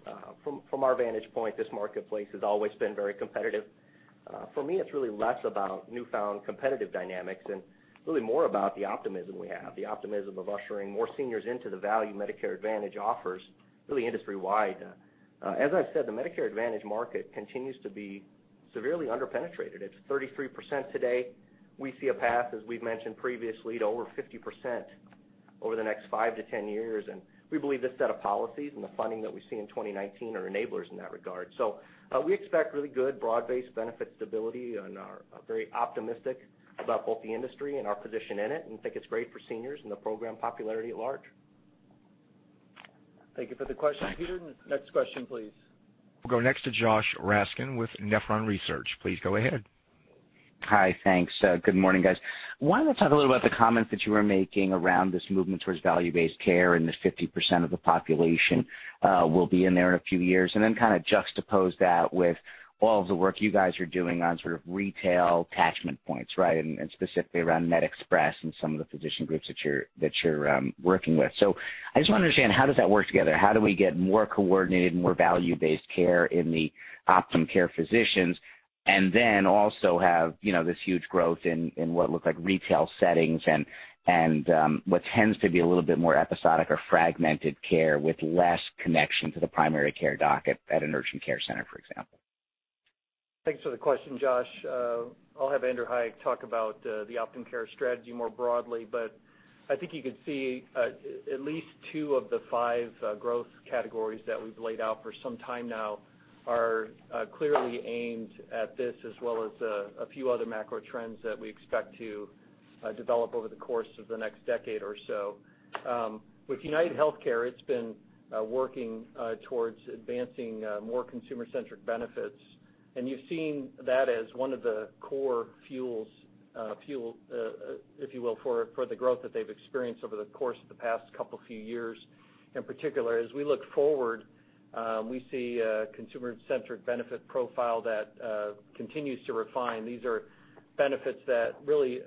From our vantage point, this marketplace has always been very competitive. For me, it's really less about newfound competitive dynamics and really more about the optimism we have, the optimism of ushering more seniors into the value Medicare Advantage offers really industry-wide. As I said, the Medicare Advantage market continues to be severely under-penetrated. It's 33% today. We see a path, as we've mentioned previously, to over 50% over the next five to 10 years, and we believe this set of policies and the funding that we see in 2019 are enablers in that regard. We expect really good broad-based benefit stability and are very optimistic about both the industry and our position in it and think it's great for seniors and the program popularity at large. Thank you for the question, Peter. Thanks. Next question, please. We'll go next to Josh Raskin with Nephron Research. Please go ahead. Hi. Thanks. Good morning, guys. Wanted to talk a little about the comments that you were making around this movement towards value-based care and the 50% of the population will be in there in a few years, then kind of juxtapose that with all of the work you guys are doing on sort of retail attachment points, right? Specifically around MedExpress and some of the physician groups that you're working with. I just want to understand, how does that work together? How do we get more coordinated and more value-based care in the Optum Care physicians and then also have this huge growth in what look like retail settings and what tends to be a little bit more episodic or fragmented care with less connection to the primary care doc at an urgent care center, for example? Thanks for the question, Josh. I'll have Andrew Hayek talk about the Optum Care strategy more broadly, but I think you could see at least two of the five growth categories that we've laid out for some time now are clearly aimed at this, as well as a few other macro trends that we expect to develop over the course of the next decade or so. With UnitedHealthcare, it's been working towards advancing more consumer-centric benefits, and you've seen that as one of the core fuels, if you will, for the growth that they've experienced over the course of the past couple of few years. In particular, as we look forward, we see a consumer-centric benefit profile that continues to refine. These are benefits that really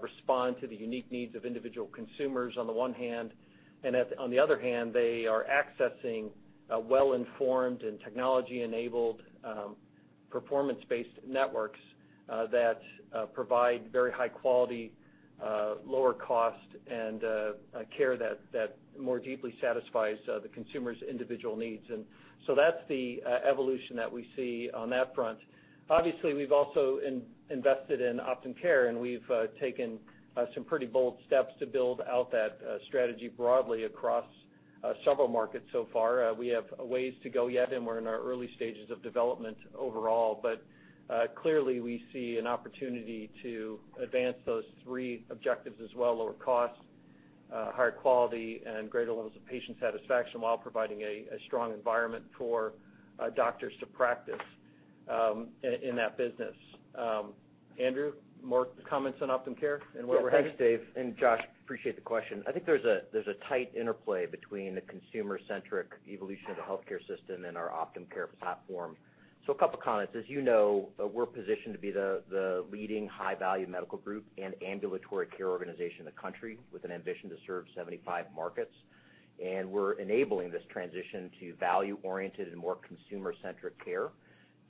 respond to the unique needs of individual consumers on the one hand, and on the other hand, they are accessing well-informed and technology-enabled, performance-based networks that provide very high quality, lower cost, and care that more deeply satisfies the consumer's individual needs. That's the evolution that we see on that front. Obviously, we've also invested in Optum Care. We've taken some pretty bold steps to build out that strategy broadly across several markets so far. We have a ways to go yet, and we're in our early stages of development overall. Clearly, we see an opportunity to advance those three objectives as well: lower cost, higher quality, and greater levels of patient satisfaction while providing a strong environment for doctors to practice in that business. Andrew, more comments on Optum Care and where we're headed? Yeah. Thanks, Dave, and Josh, appreciate the question. I think there's a tight interplay between the consumer-centric evolution of the healthcare system and our Optum Care platform. A couple of comments. As you know, we're positioned to be the leading high-value medical group and ambulatory care organization in the country, with an ambition to serve 75 markets. We're enabling this transition to value-oriented and more consumer-centric care,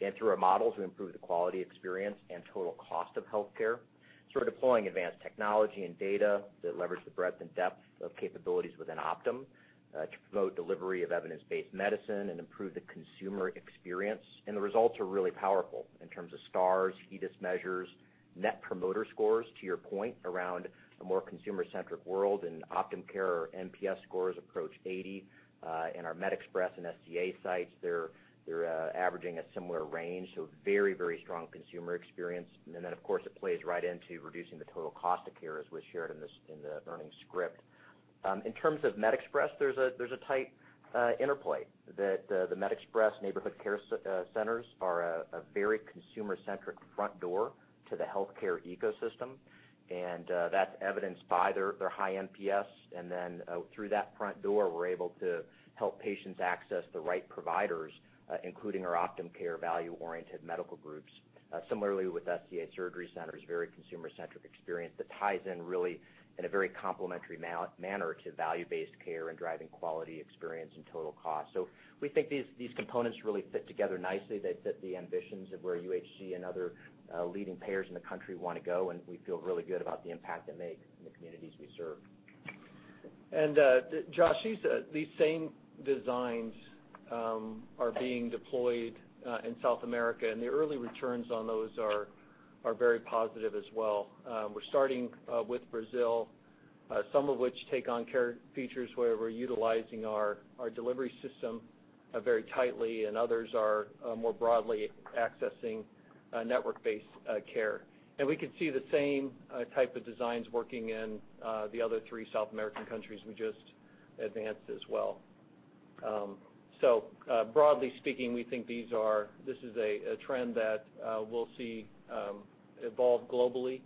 and through our models, we improve the quality experience and total cost of healthcare. We're deploying advanced technology and data that leverage the breadth and depth of capabilities within Optum, to promote delivery of evidence-based medicine and improve the consumer experience. The results are really powerful in terms of Stars, HEDIS measures, Net Promoter Scores, to your point, around a more consumer-centric world, and Optum Care NPS scores approach 80. In our MedExpress and SCA sites, they're averaging a similar range, very strong consumer experience. Of course, it plays right into reducing the total cost of care, as was shared in the earnings script. In terms of MedExpress, there's a tight interplay that the MedExpress neighborhood care centers are a very consumer-centric front door to the healthcare ecosystem, and that's evidenced by their high NPS. Through that front door, we're able to help patients access the right providers, including our Optum Care value-oriented medical groups. Similarly with SCA surgery centers, very consumer-centric experience that ties in really in a very complementary manner to value-based care and driving quality experience and total cost. We think these components really fit together nicely. They fit the ambitions of where UnitedHealthcare and other leading payers in the country want to go. We feel really good about the impact they make in the communities we serve. Josh, these same designs are being deployed in South America, and the early returns on those are very positive as well. We're starting with Brazil, some of which take on care features where we're utilizing our delivery system very tightly, and others are more broadly accessing network-based care. We could see the same type of designs working in the other three South American countries we just advanced as well. Broadly speaking, we think this is a trend that we'll see evolve globally,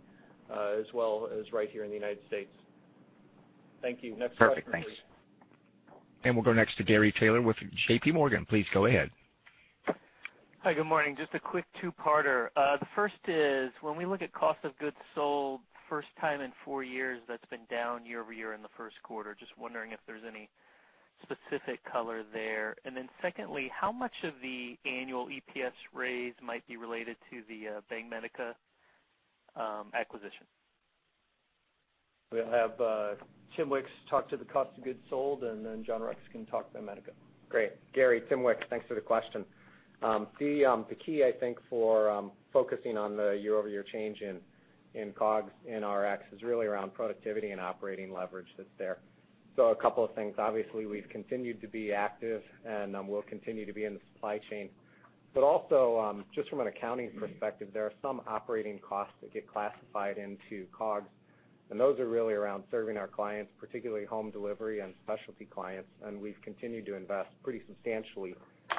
as well as right here in the United States. Thank you. Next question, please. Perfect. Thanks. We'll go next to Gary Taylor with JPMorgan. Please go ahead. Hi, good morning. Just a quick two-parter. The first is, when we look at cost of goods sold, first time in four years, that's been down year-over-year in the first quarter. Just wondering if there's any specific color there. Then secondly, how much of the annual EPS raise might be related to the Banmédica acquisition? We'll have Tim Wicks talk to the cost of goods sold. Then John Rex can talk Banmédica. Great. Gary, Tim Wicks, thanks for the question. The key, I think, for focusing on the year-over-year change in COGS in RX is really around productivity and operating leverage that's there. A couple of things. Obviously, we've continued to be active, and we'll continue to be in the supply chain. Also, just from an accounting perspective, there are some operating costs that get classified into COGS, and those are really around serving our clients, particularly home delivery and specialty clients. We've continued to invest pretty substantially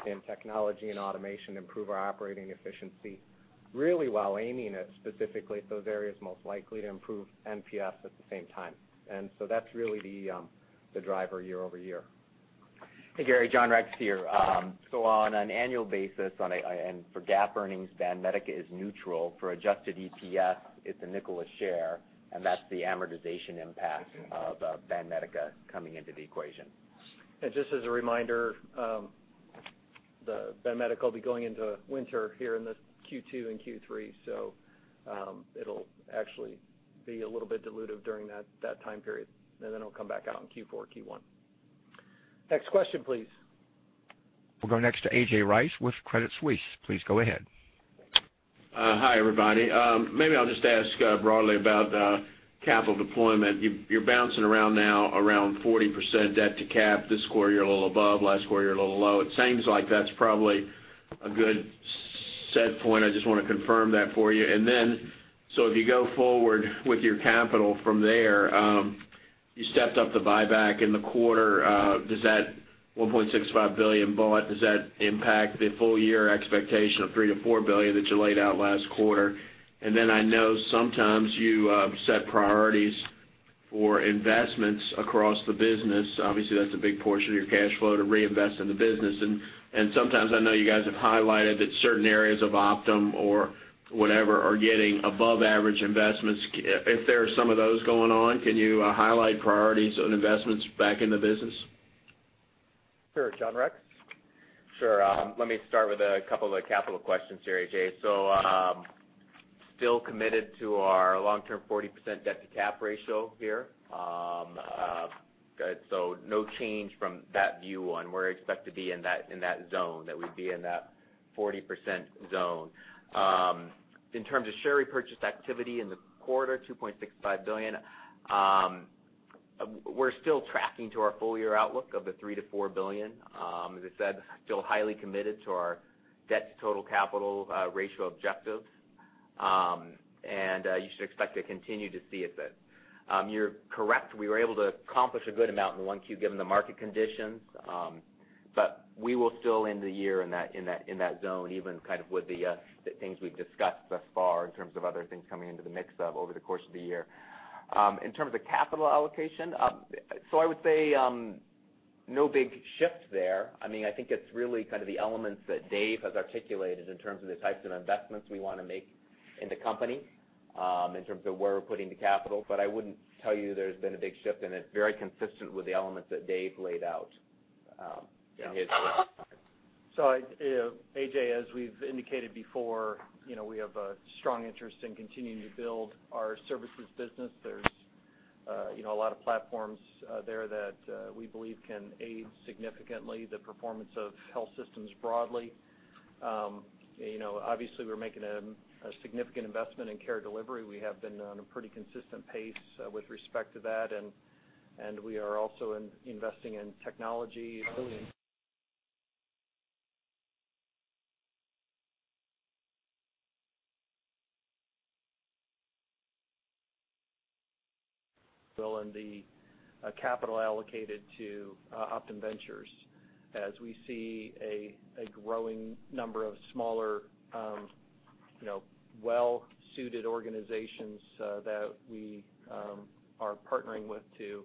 in technology and automation to improve our operating efficiency, really while aiming it specifically at those areas most likely to improve NPS at the same time. That's really the driver year-over-year. Hey, Gary, John Rex here. On an annual basis, and for GAAP earnings, Banmédica is neutral. For adjusted EPS, it's $0.05 a share. That's the amortization impact of Banmédica coming into the equation. Just as a reminder, Banmédica will be going into winter here in this Q2 and Q3. It'll actually be a little bit dilutive during that time period. It'll come back out in Q4, Q1. Next question, please. We'll go next to AJ Rice with Credit Suisse. Please go ahead. Hi, everybody. Maybe I'll just ask broadly about capital deployment. You're bouncing around now around 40% debt to cap this quarter, you're a little above, last quarter, you're a little low. It seems like that's probably a good set point. I just want to confirm that for you. If you go forward with your capital from there, you stepped up the buyback in the quarter. Does that $2.65 billion bullet, does that impact the full year expectation of $3 billion-$4 billion that you laid out last quarter? I know sometimes you set priorities for investments across the business. Obviously, that's a big portion of your cash flow to reinvest in the business. Sometimes I know you guys have highlighted that certain areas of Optum or whatever are getting above average investments. If there are some of those going on, can you highlight priorities on investments back in the business? Sure. John Rex? Sure. Let me start with a couple of the capital questions here, A.J. Still committed to our long-term 40% debt to cap ratio here. No change from that view on where I expect to be in that zone, that we'd be in that 40% zone. In terms of share repurchase activity in the quarter, $2.65 billion, we're still tracking to our full year outlook of the $3 billion-$4 billion. As I said, still highly committed to our debt to total capital ratio objectives. You should expect to continue to see it. You're correct. We were able to accomplish a good amount in the 1Q given the market conditions. We will still end the year in that zone, even with the things we've discussed thus far in terms of other things coming into the mix over the course of the year. In terms of capital allocation, I would say no big shift there. I think it's really the elements that Dave has articulated in terms of the types of investments we want to make in the company, in terms of where we're putting the capital. I wouldn't tell you there's been a big shift, and it's very consistent with the elements that Dave laid out in his remarks. A.J., as we've indicated before, we have a strong interest in continuing to build our services business. There's a lot of platforms there that we believe can aid significantly the performance of health systems broadly. Obviously, we're making a significant investment in care delivery. We have been on a pretty consistent pace with respect to that, and we are also investing in technology and the capital allocated to Optum Ventures as we see a growing number of smaller, well-suited organizations that we are partnering with to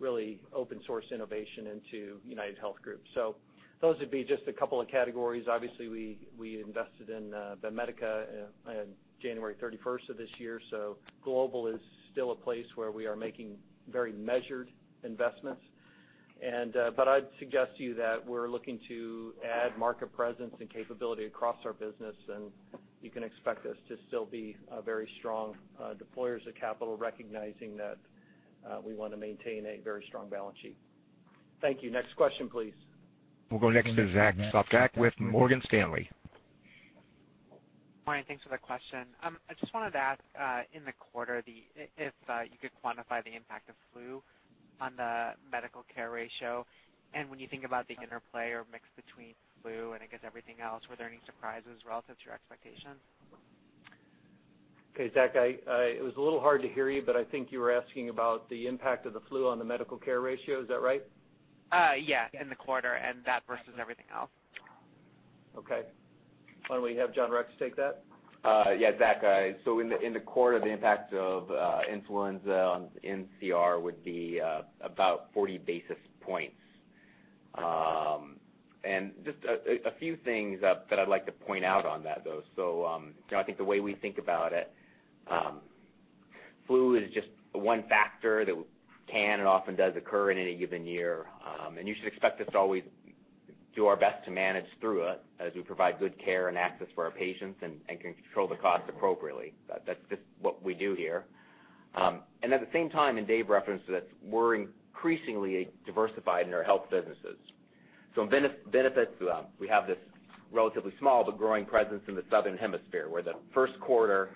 really open source innovation into UnitedHealth Group. Those would be just a couple of categories. Obviously, we invested in Banmédica on January 31st of this year, global is still a place where we are making very measured investments. I'd suggest to you that we're looking to add market presence and capability across our business, and you can expect us to still be very strong deployers of capital, recognizing that we want to maintain a very strong balance sheet. Thank you. Next question, please. We'll go next to Zachary Sopcak with Morgan Stanley. Morning. Thanks for the question. I just wanted to ask, in the quarter, if you could quantify the impact of flu on the medical care ratio. When you think about the interplay or mix between flu and I guess everything else, were there any surprises relative to your expectations? Okay, Zach, it was a little hard to hear you, but I think you were asking about the impact of the flu on the medical care ratio. Is that right? Yes, in the quarter and that versus everything else. Okay. Why don't we have John Rex take that? Yeah, Zach. In the quarter, the impact of influenza on MCR would be about 40 basis points. Just a few things that I'd like to point out on that, though. I think the way we think about it, flu is just one factor that can and often does occur in any given year. You should expect us to always do our best to manage through it as we provide good care and access for our patients and can control the cost appropriately. That's just what we do here. At the same time, and Dave referenced this, we're increasingly diversified in our health businesses. In benefits, we have this relatively small but growing presence in the Southern Hemisphere, where the first quarter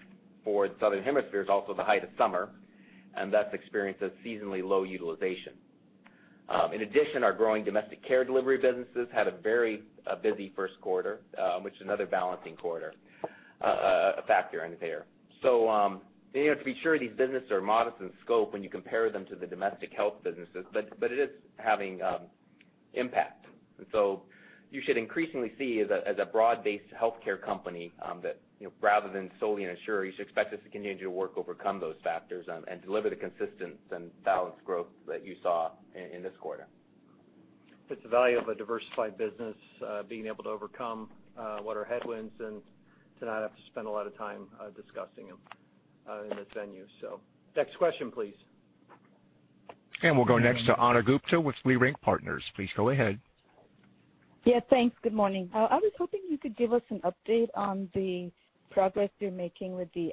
for the Southern Hemisphere is also the height of summer, and that's experienced a seasonally low utilization. In addition, our growing domestic care delivery businesses had a very busy first quarter, which is another balancing quarter factor in there. To be sure these businesses are modest in scope when you compare them to the domestic health businesses, but it is having impact. You should increasingly see as a broad-based healthcare company that rather than solely an insurer, you should expect us to continue to work overcome those factors and deliver the consistent and balanced growth that you saw in this quarter. It's the value of a diversified business being able to overcome what are headwinds and to not have to spend a lot of time discussing them in this venue. Next question, please. We'll go next to Ana Gupte with Leerink Partners. Please go ahead. Thanks. Good morning. I was hoping you could give us an update on the progress you're making with the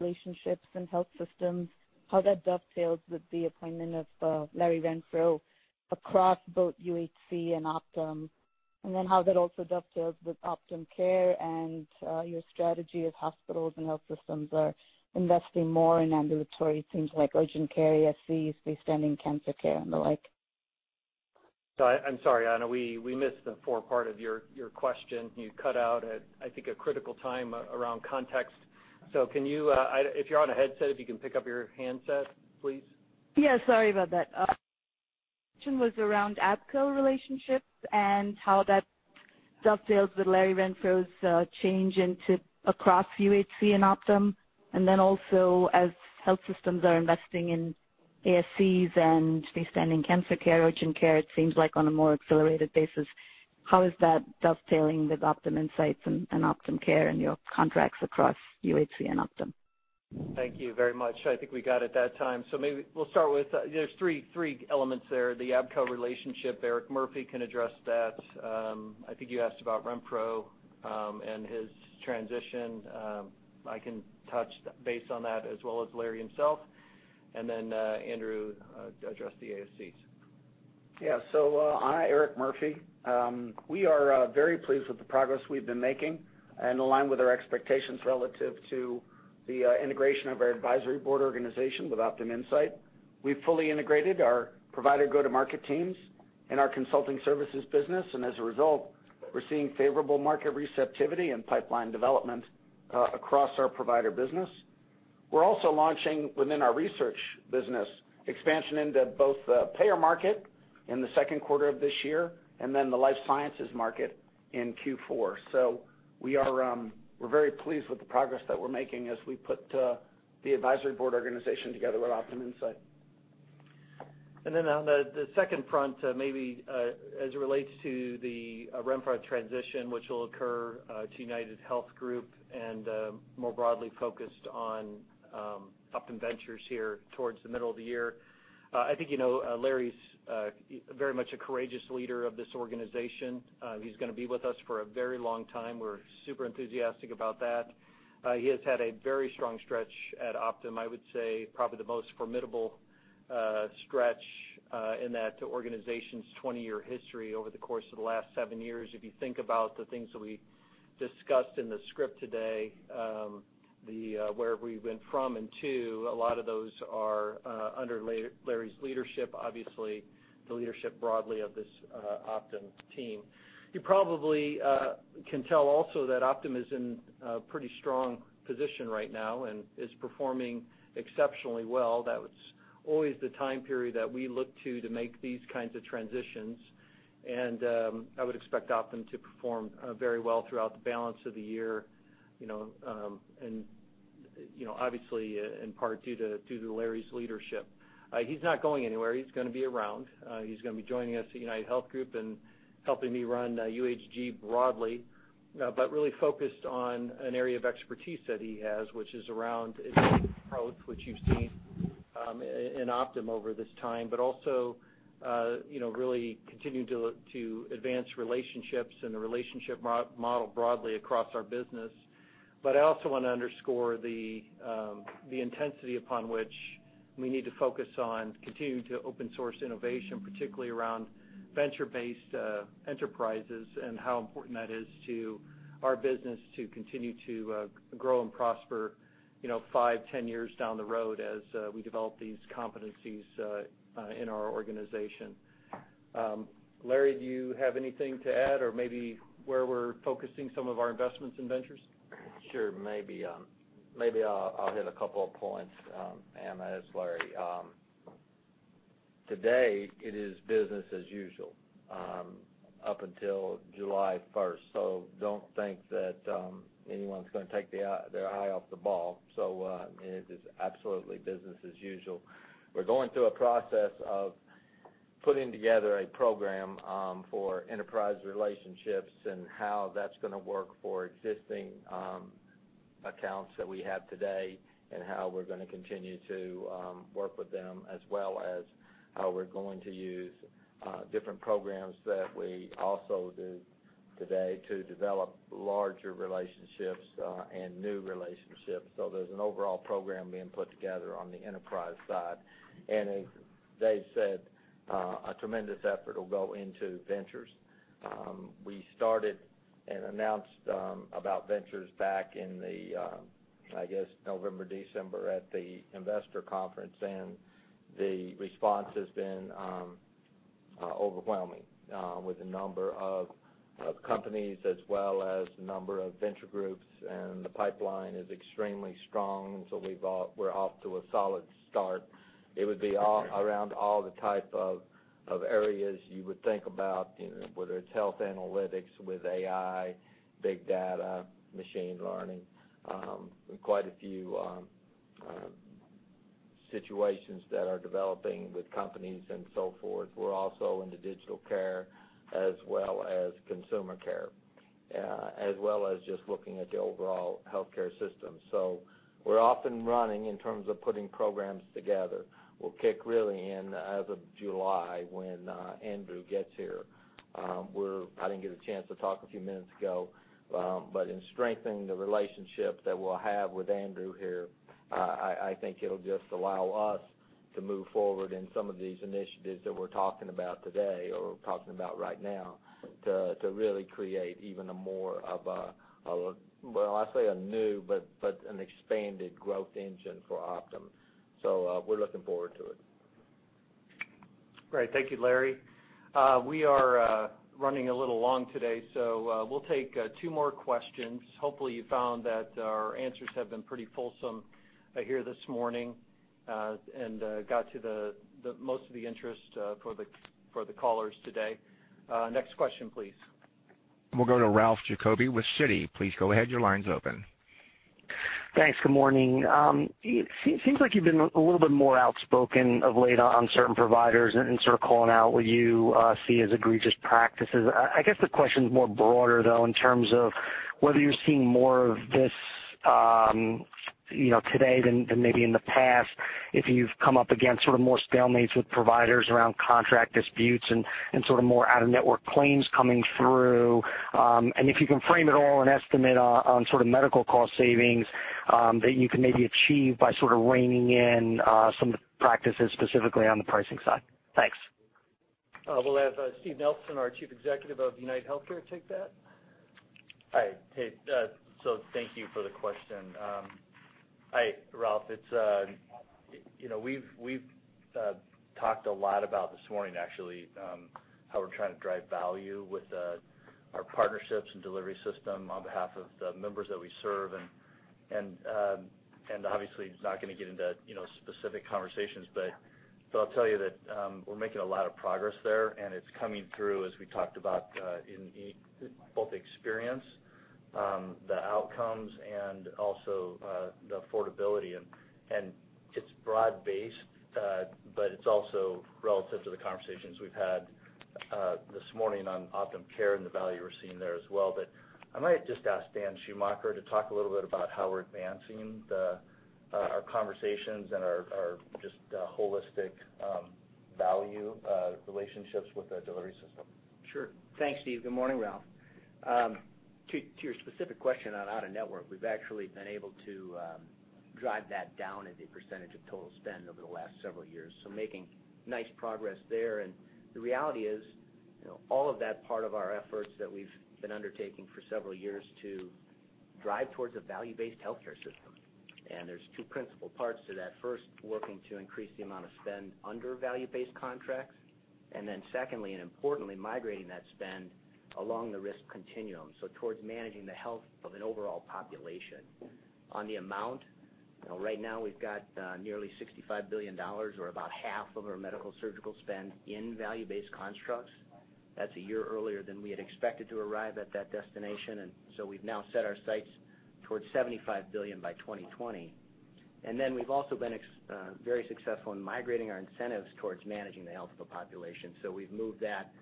relationships and health systems, how that dovetails with the appointment of Larry Renfro across both UnitedHealthcare and Optum, and then how that also dovetails with Optum Care and your strategy as hospitals and health systems are investing more in ambulatory things like urgent care, ASCs, freestanding cancer care, and the like. I'm sorry, Ana, we missed the fore part of your question. You cut out at, I think, a critical time around context. If you're on a headset, if you can pick up your handset, please. Sorry about that. Question was around ABCO relationships and how that dovetails with Larry Renfro's change across UHC and Optum, and then also as health systems are investing in ASCs and freestanding cancer care, urgent care, it seems like on a more accelerated basis. How is that dovetailing with OptumInsight and Optum Care and your contracts across UHC and Optum? Thank you very much. I think we got it that time. Maybe we'll start with, there are three elements there. The ABCO relationship, Eric Murphy can address that. I think you asked about Renfro and his transition. I can touch base on that as well as Larry himself. Andrew to address the ASCs. Yeah. Ana, Eric Murphy. We are very pleased with the progress we've been making and aligned with our expectations relative to the integration of The Advisory Board Company organization with OptumInsight. We've fully integrated our provider go-to-market teams and our consulting services business. As a result, we're seeing favorable market receptivity and pipeline development across our provider business. We're also launching within our research business expansion into both the payer market in the second quarter of this year and the life sciences market in Q4. We're very pleased with the progress that we're making as we put The Advisory Board Company organization together with OptumInsight. On the second front, maybe, as it relates to the Renfro transition, which will occur to UnitedHealth Group and more broadly focused on Optum Ventures here towards the middle of the year. I think you know Larry's very much a courageous leader of this organization. He's going to be with us for a very long time. We're super enthusiastic about that. He has had a very strong stretch at Optum. I would say probably the most formidable stretch in that organization's 20-year history over the course of the last seven years. If you think about the things that we discussed in the script today, where we've been from and to, a lot of those are under Larry's leadership, obviously the leadership broadly of this Optum team. You probably can tell also that Optum is in a pretty strong position right now and is performing exceptionally well. That was always the time period that we look to make these kinds of transitions. I would expect Optum to perform very well throughout the balance of the year and, obviously, in part due to Larry's leadership. He's not going anywhere. He's going to be around. He's going to be joining us at UnitedHealth Group and helping me run UHG broadly, but really focused on an area of expertise that he has, which is around approach, which you've seen in Optum over this time, but also really continuing to advance relationships and the relationship model broadly across our business. I also want to underscore the intensity upon which we need to focus on continuing to open source innovation, particularly around venture-based enterprises and how important that is to our business to continue to grow and prosper 5, 10 years down the road as we develop these competencies in our organization. Larry, do you have anything to add or maybe where we're focusing some of our investments in ventures? Sure, maybe I'll hit a couple of points, Ana, as Larry. Today it is business as usual, up until July 1st. Don't think that anyone's going to take their eye off the ball. It is absolutely business as usual. We're going through a process of putting together a program for enterprise relationships and how that's going to work for existing accounts that we have today, and how we're going to continue to work with them, as well as how we're going to use different programs that we also do today to develop larger relationships, and new relationships. There's an overall program being put together on the enterprise side. As Dave said, a tremendous effort will go into ventures. We started and announced about ventures back in the, I guess, November, December at the investor conference, and the response has been overwhelming, with the number of companies as well as the number of venture groups, and the pipeline is extremely strong. We're off to a solid start. It would be around all the type of areas you would think about, whether it's health analytics with AI, big data, machine learning, quite a few situations that are developing with companies and so forth. We're also into digital care as well as consumer care. As well as just looking at the overall healthcare system. We're off and running in terms of putting programs together. We'll kick really in as of July when Andrew gets here. I didn't get a chance to talk a few minutes ago, but in strengthening the relationship that we'll have with Andrew here, I think it'll just allow us to move forward in some of these initiatives that we're talking about today, or talking about right now, to really create even a more of a, well, I say anew, but an expanded growth engine for Optum. We're looking forward to it. Great. Thank you, Larry. We are running a little long today. We'll take two more questions. Hopefully, you found that our answers have been pretty fulsome here this morning, and got to the most of the interest for the callers today. Next question, please. We'll go to Ralph Giacobbe with Citi. Please go ahead, your line's open. Thanks. Good morning. It seems like you've been a little bit more outspoken of late on certain providers and sort of calling out what you see as egregious practices. I guess the question's more broader, though, in terms of whether you're seeing more of this today than maybe in the past, if you've come up against more stalemates with providers around contract disputes and sort of more out-of-network claims coming through. If you can frame at all an estimate on medical cost savings that you can maybe achieve by sort of reining in some of the practices specifically on the pricing side. Thanks. We'll have Steve Nelson, our Chief Executive of UnitedHealthcare, take that. Hi. Thank you for the question. Hi, Ralph. We've talked a lot about, this morning actually, how we're trying to drive value with our partnerships and delivery system on behalf of the members that we serve, obviously, not going to get into specific conversations, but I'll tell you that we're making a lot of progress there, and it's coming through, as we talked about, in both the experience, the outcomes, and also the affordability. It's broad based, but it's also relative to the conversations we've had this morning on Optum Care and the value we're seeing there as well. I might just ask Dan Schumacher to talk a little bit about how we're advancing our conversations and our just holistic value relationships with the delivery system. Sure. Thanks, Steve. Good morning, Ralph. To your specific question on out-of-network, we've actually been able to drive that down as a percentage of total spend over the last several years, so making nice progress there. The reality is, all of that part of our efforts that we've been undertaking for several years to drive towards a value-based healthcare system. There's two principal parts to that. First, working to increase the amount of spend under value-based contracts, secondly and importantly, migrating that spend along the risk continuum, so towards managing the health of an overall population. On the amount, right now we've got nearly $65 billion, or about half of our medical surgical spend in value-based constructs. That's a year earlier than we had expected to arrive at that destination, we've now set our sights towards $75 billion by 2020. We've also been very successful in migrating our incentives towards managing the health of a population. We've moved that.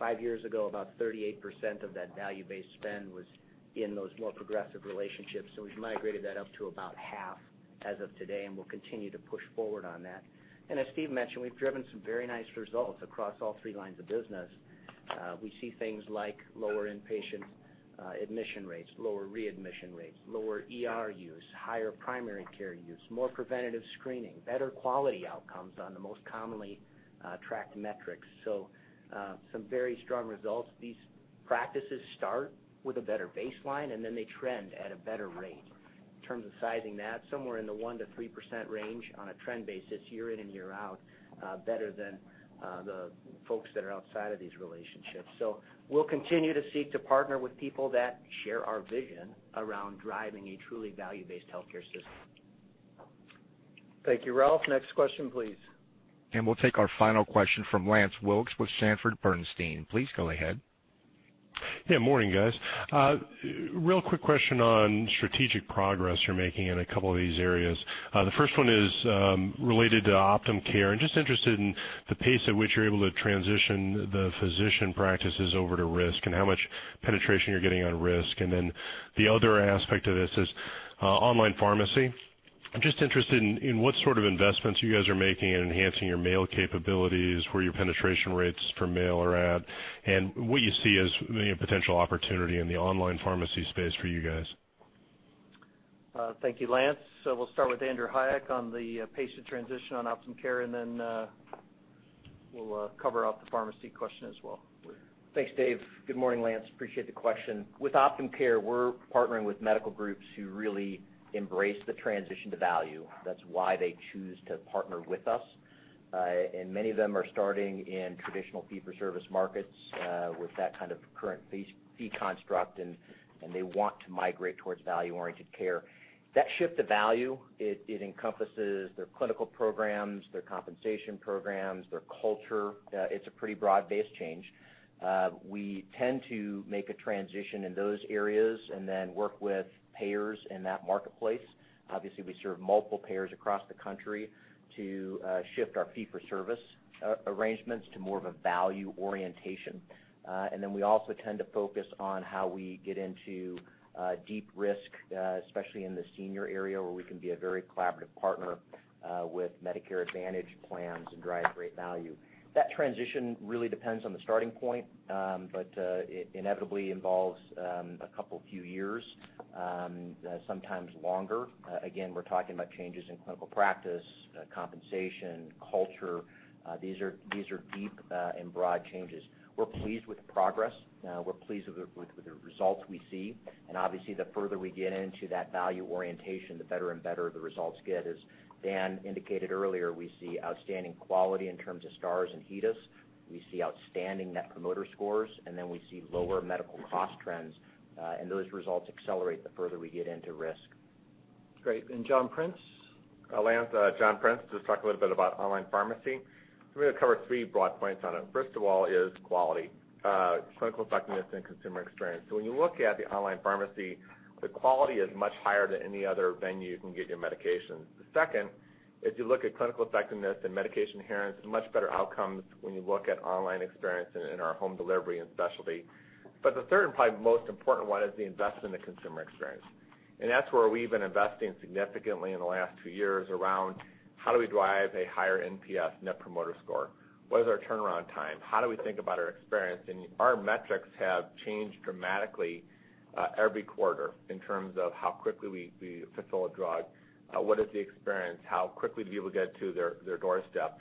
Five years ago, about 38% of that value-based spend was in those more progressive relationships, so we've migrated that up to about half as of today, and we'll continue to push forward on that. As Steve mentioned, we've driven some very nice results across all three lines of business. We see things like lower inpatient admission rates, lower readmission rates, lower ER use, higher primary care use, more preventative screening, better quality outcomes on the most commonly tracked metrics. Some very strong results. These practices start with a better baseline, and then they trend at a better rate. In terms of sizing that, somewhere in the 1%-3% range on a trend basis, year in and year out, better than the folks that are outside of these relationships. We'll continue to seek to partner with people that share our vision around driving a truly value-based healthcare system. Thank you, Ralph. Next question, please. We'll take our final question from Lance Wilkes with Sanford Bernstein. Please go ahead. Yeah, morning, guys. Real quick question on strategic progress you're making in a couple of these areas. The first one is related to Optum Care. I'm just interested in the pace at which you're able to transition the physician practices over to risk and how much penetration you're getting on risk. Then the other aspect of this is online pharmacy. I'm just interested in what sort of investments you guys are making in enhancing your mail capabilities, where your penetration rates for mail are at, and what you see as potential opportunity in the online pharmacy space for you guys. Thank you, Lance. We'll start with Andrew Hayek on the patient transition on Optum Care, and then we'll cover off the pharmacy question as well. Thanks, Dave. Good morning, Lance. Appreciate the question. With Optum Care, we're partnering with medical groups who really embrace the transition to value. That's why they choose to partner with us. Many of them are starting in traditional fee-for-service markets with that kind of current fee construct, and they want to migrate towards value-oriented care. That shift to value, it encompasses their clinical programs, their compensation programs, their culture. It's a pretty broad-based change. We tend to make a transition in those areas and then work with payers in that marketplace. Obviously, we serve multiple payers across the country to shift our fee-for-service arrangements to more of a value orientation. We also tend to focus on how we get into deep risk, especially in the senior area, where we can be a very collaborative partner with Medicare Advantage plans and drive great value. That transition really depends on the starting point, but it inevitably involves a couple of few years, sometimes longer. Again, we're talking about changes in clinical practice, compensation, culture. These are deep and broad changes. We're pleased with the progress. We're pleased with the results we see. Obviously, the further we get into that value orientation, the better and better the results get. As Dan indicated earlier, we see outstanding quality in terms of Stars and HEDIS. We see outstanding Net Promoter Scores, and then we see lower medical cost trends. Those results accelerate the further we get into risk. Great. John Prince? Lance, John Prince. Just talk a little bit about online pharmacy. I'm going to cover three broad points on it. First of all is quality, clinical effectiveness, and consumer experience. When you look at the online pharmacy, the quality is much higher than any other venue you can get your medications. The second is you look at clinical effectiveness and medication adherence, much better outcomes when you look at online experience in our home delivery and specialty. The third and probably most important one is the investment in the consumer experience. That's where we've been investing significantly in the last two years around how do we drive a higher NPS, Net Promoter Score? What is our turnaround time? How do we think about our experience? Our metrics have changed dramatically every quarter in terms of how quickly we fulfill a drug. What is the experience? How quickly do people get it to their doorstep?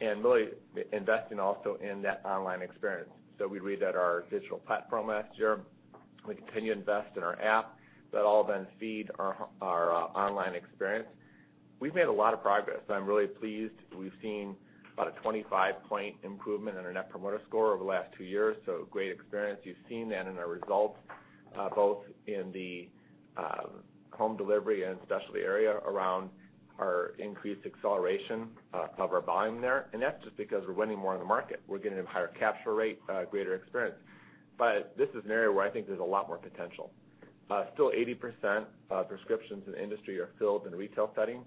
Really investing also in that online experience. We redid our digital platform last year. We continue to invest in our app. That all then feed our online experience. We've made a lot of progress. I'm really pleased. We've seen about a 25-point improvement in our Net Promoter Score over the last two years, great experience. You've seen that in our results both in the home delivery and specialty area around our increased acceleration of our volume there. That's just because we're winning more in the market. We're getting a higher capture rate, greater experience. This is an area where I think there's a lot more potential. Still 80% of prescriptions in the industry are filled in a retail setting.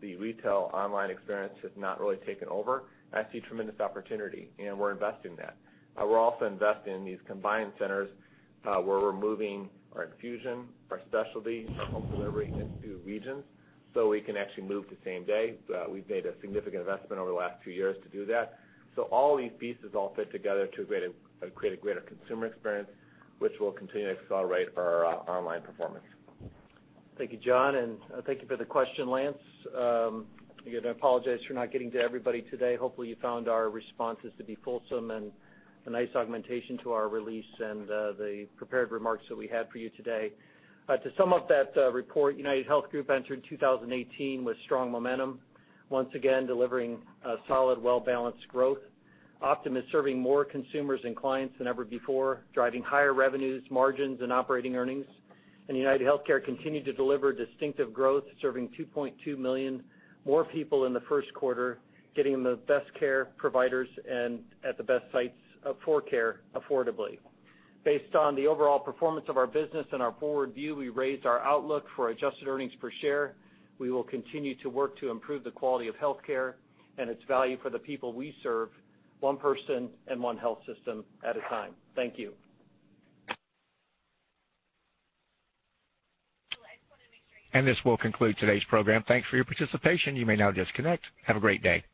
The retail online experience has not really taken over. I see tremendous opportunity, and we're investing in that. We're also investing in these combined centers where we're moving our infusion, our specialty, our home delivery into regions so we can actually move the same day. We've made a significant investment over the last two years to do that. All these pieces all fit together to create a greater consumer experience, which will continue to accelerate our online performance. Thank you, John, and thank you for the question, Lance. Again, I apologize for not getting to everybody today. Hopefully, you found our responses to be fulsome and a nice augmentation to our release and the prepared remarks that we had for you today. To sum up that report, UnitedHealth Group entered 2018 with strong momentum, once again delivering a solid, well-balanced growth. Optum is serving more consumers and clients than ever before, driving higher revenues, margins, and operating earnings. UnitedHealthcare continued to deliver distinctive growth, serving 2.2 million more people in the first quarter, getting them the best care providers and at the best sites for care affordably. Based on the overall performance of our business and our forward view, we raised our outlook for adjusted earnings per share. We will continue to work to improve the quality of healthcare and its value for the people we serve, one person and one health system at a time. Thank you. This will conclude today's program. Thanks for your participation. You may now disconnect. Have a great day.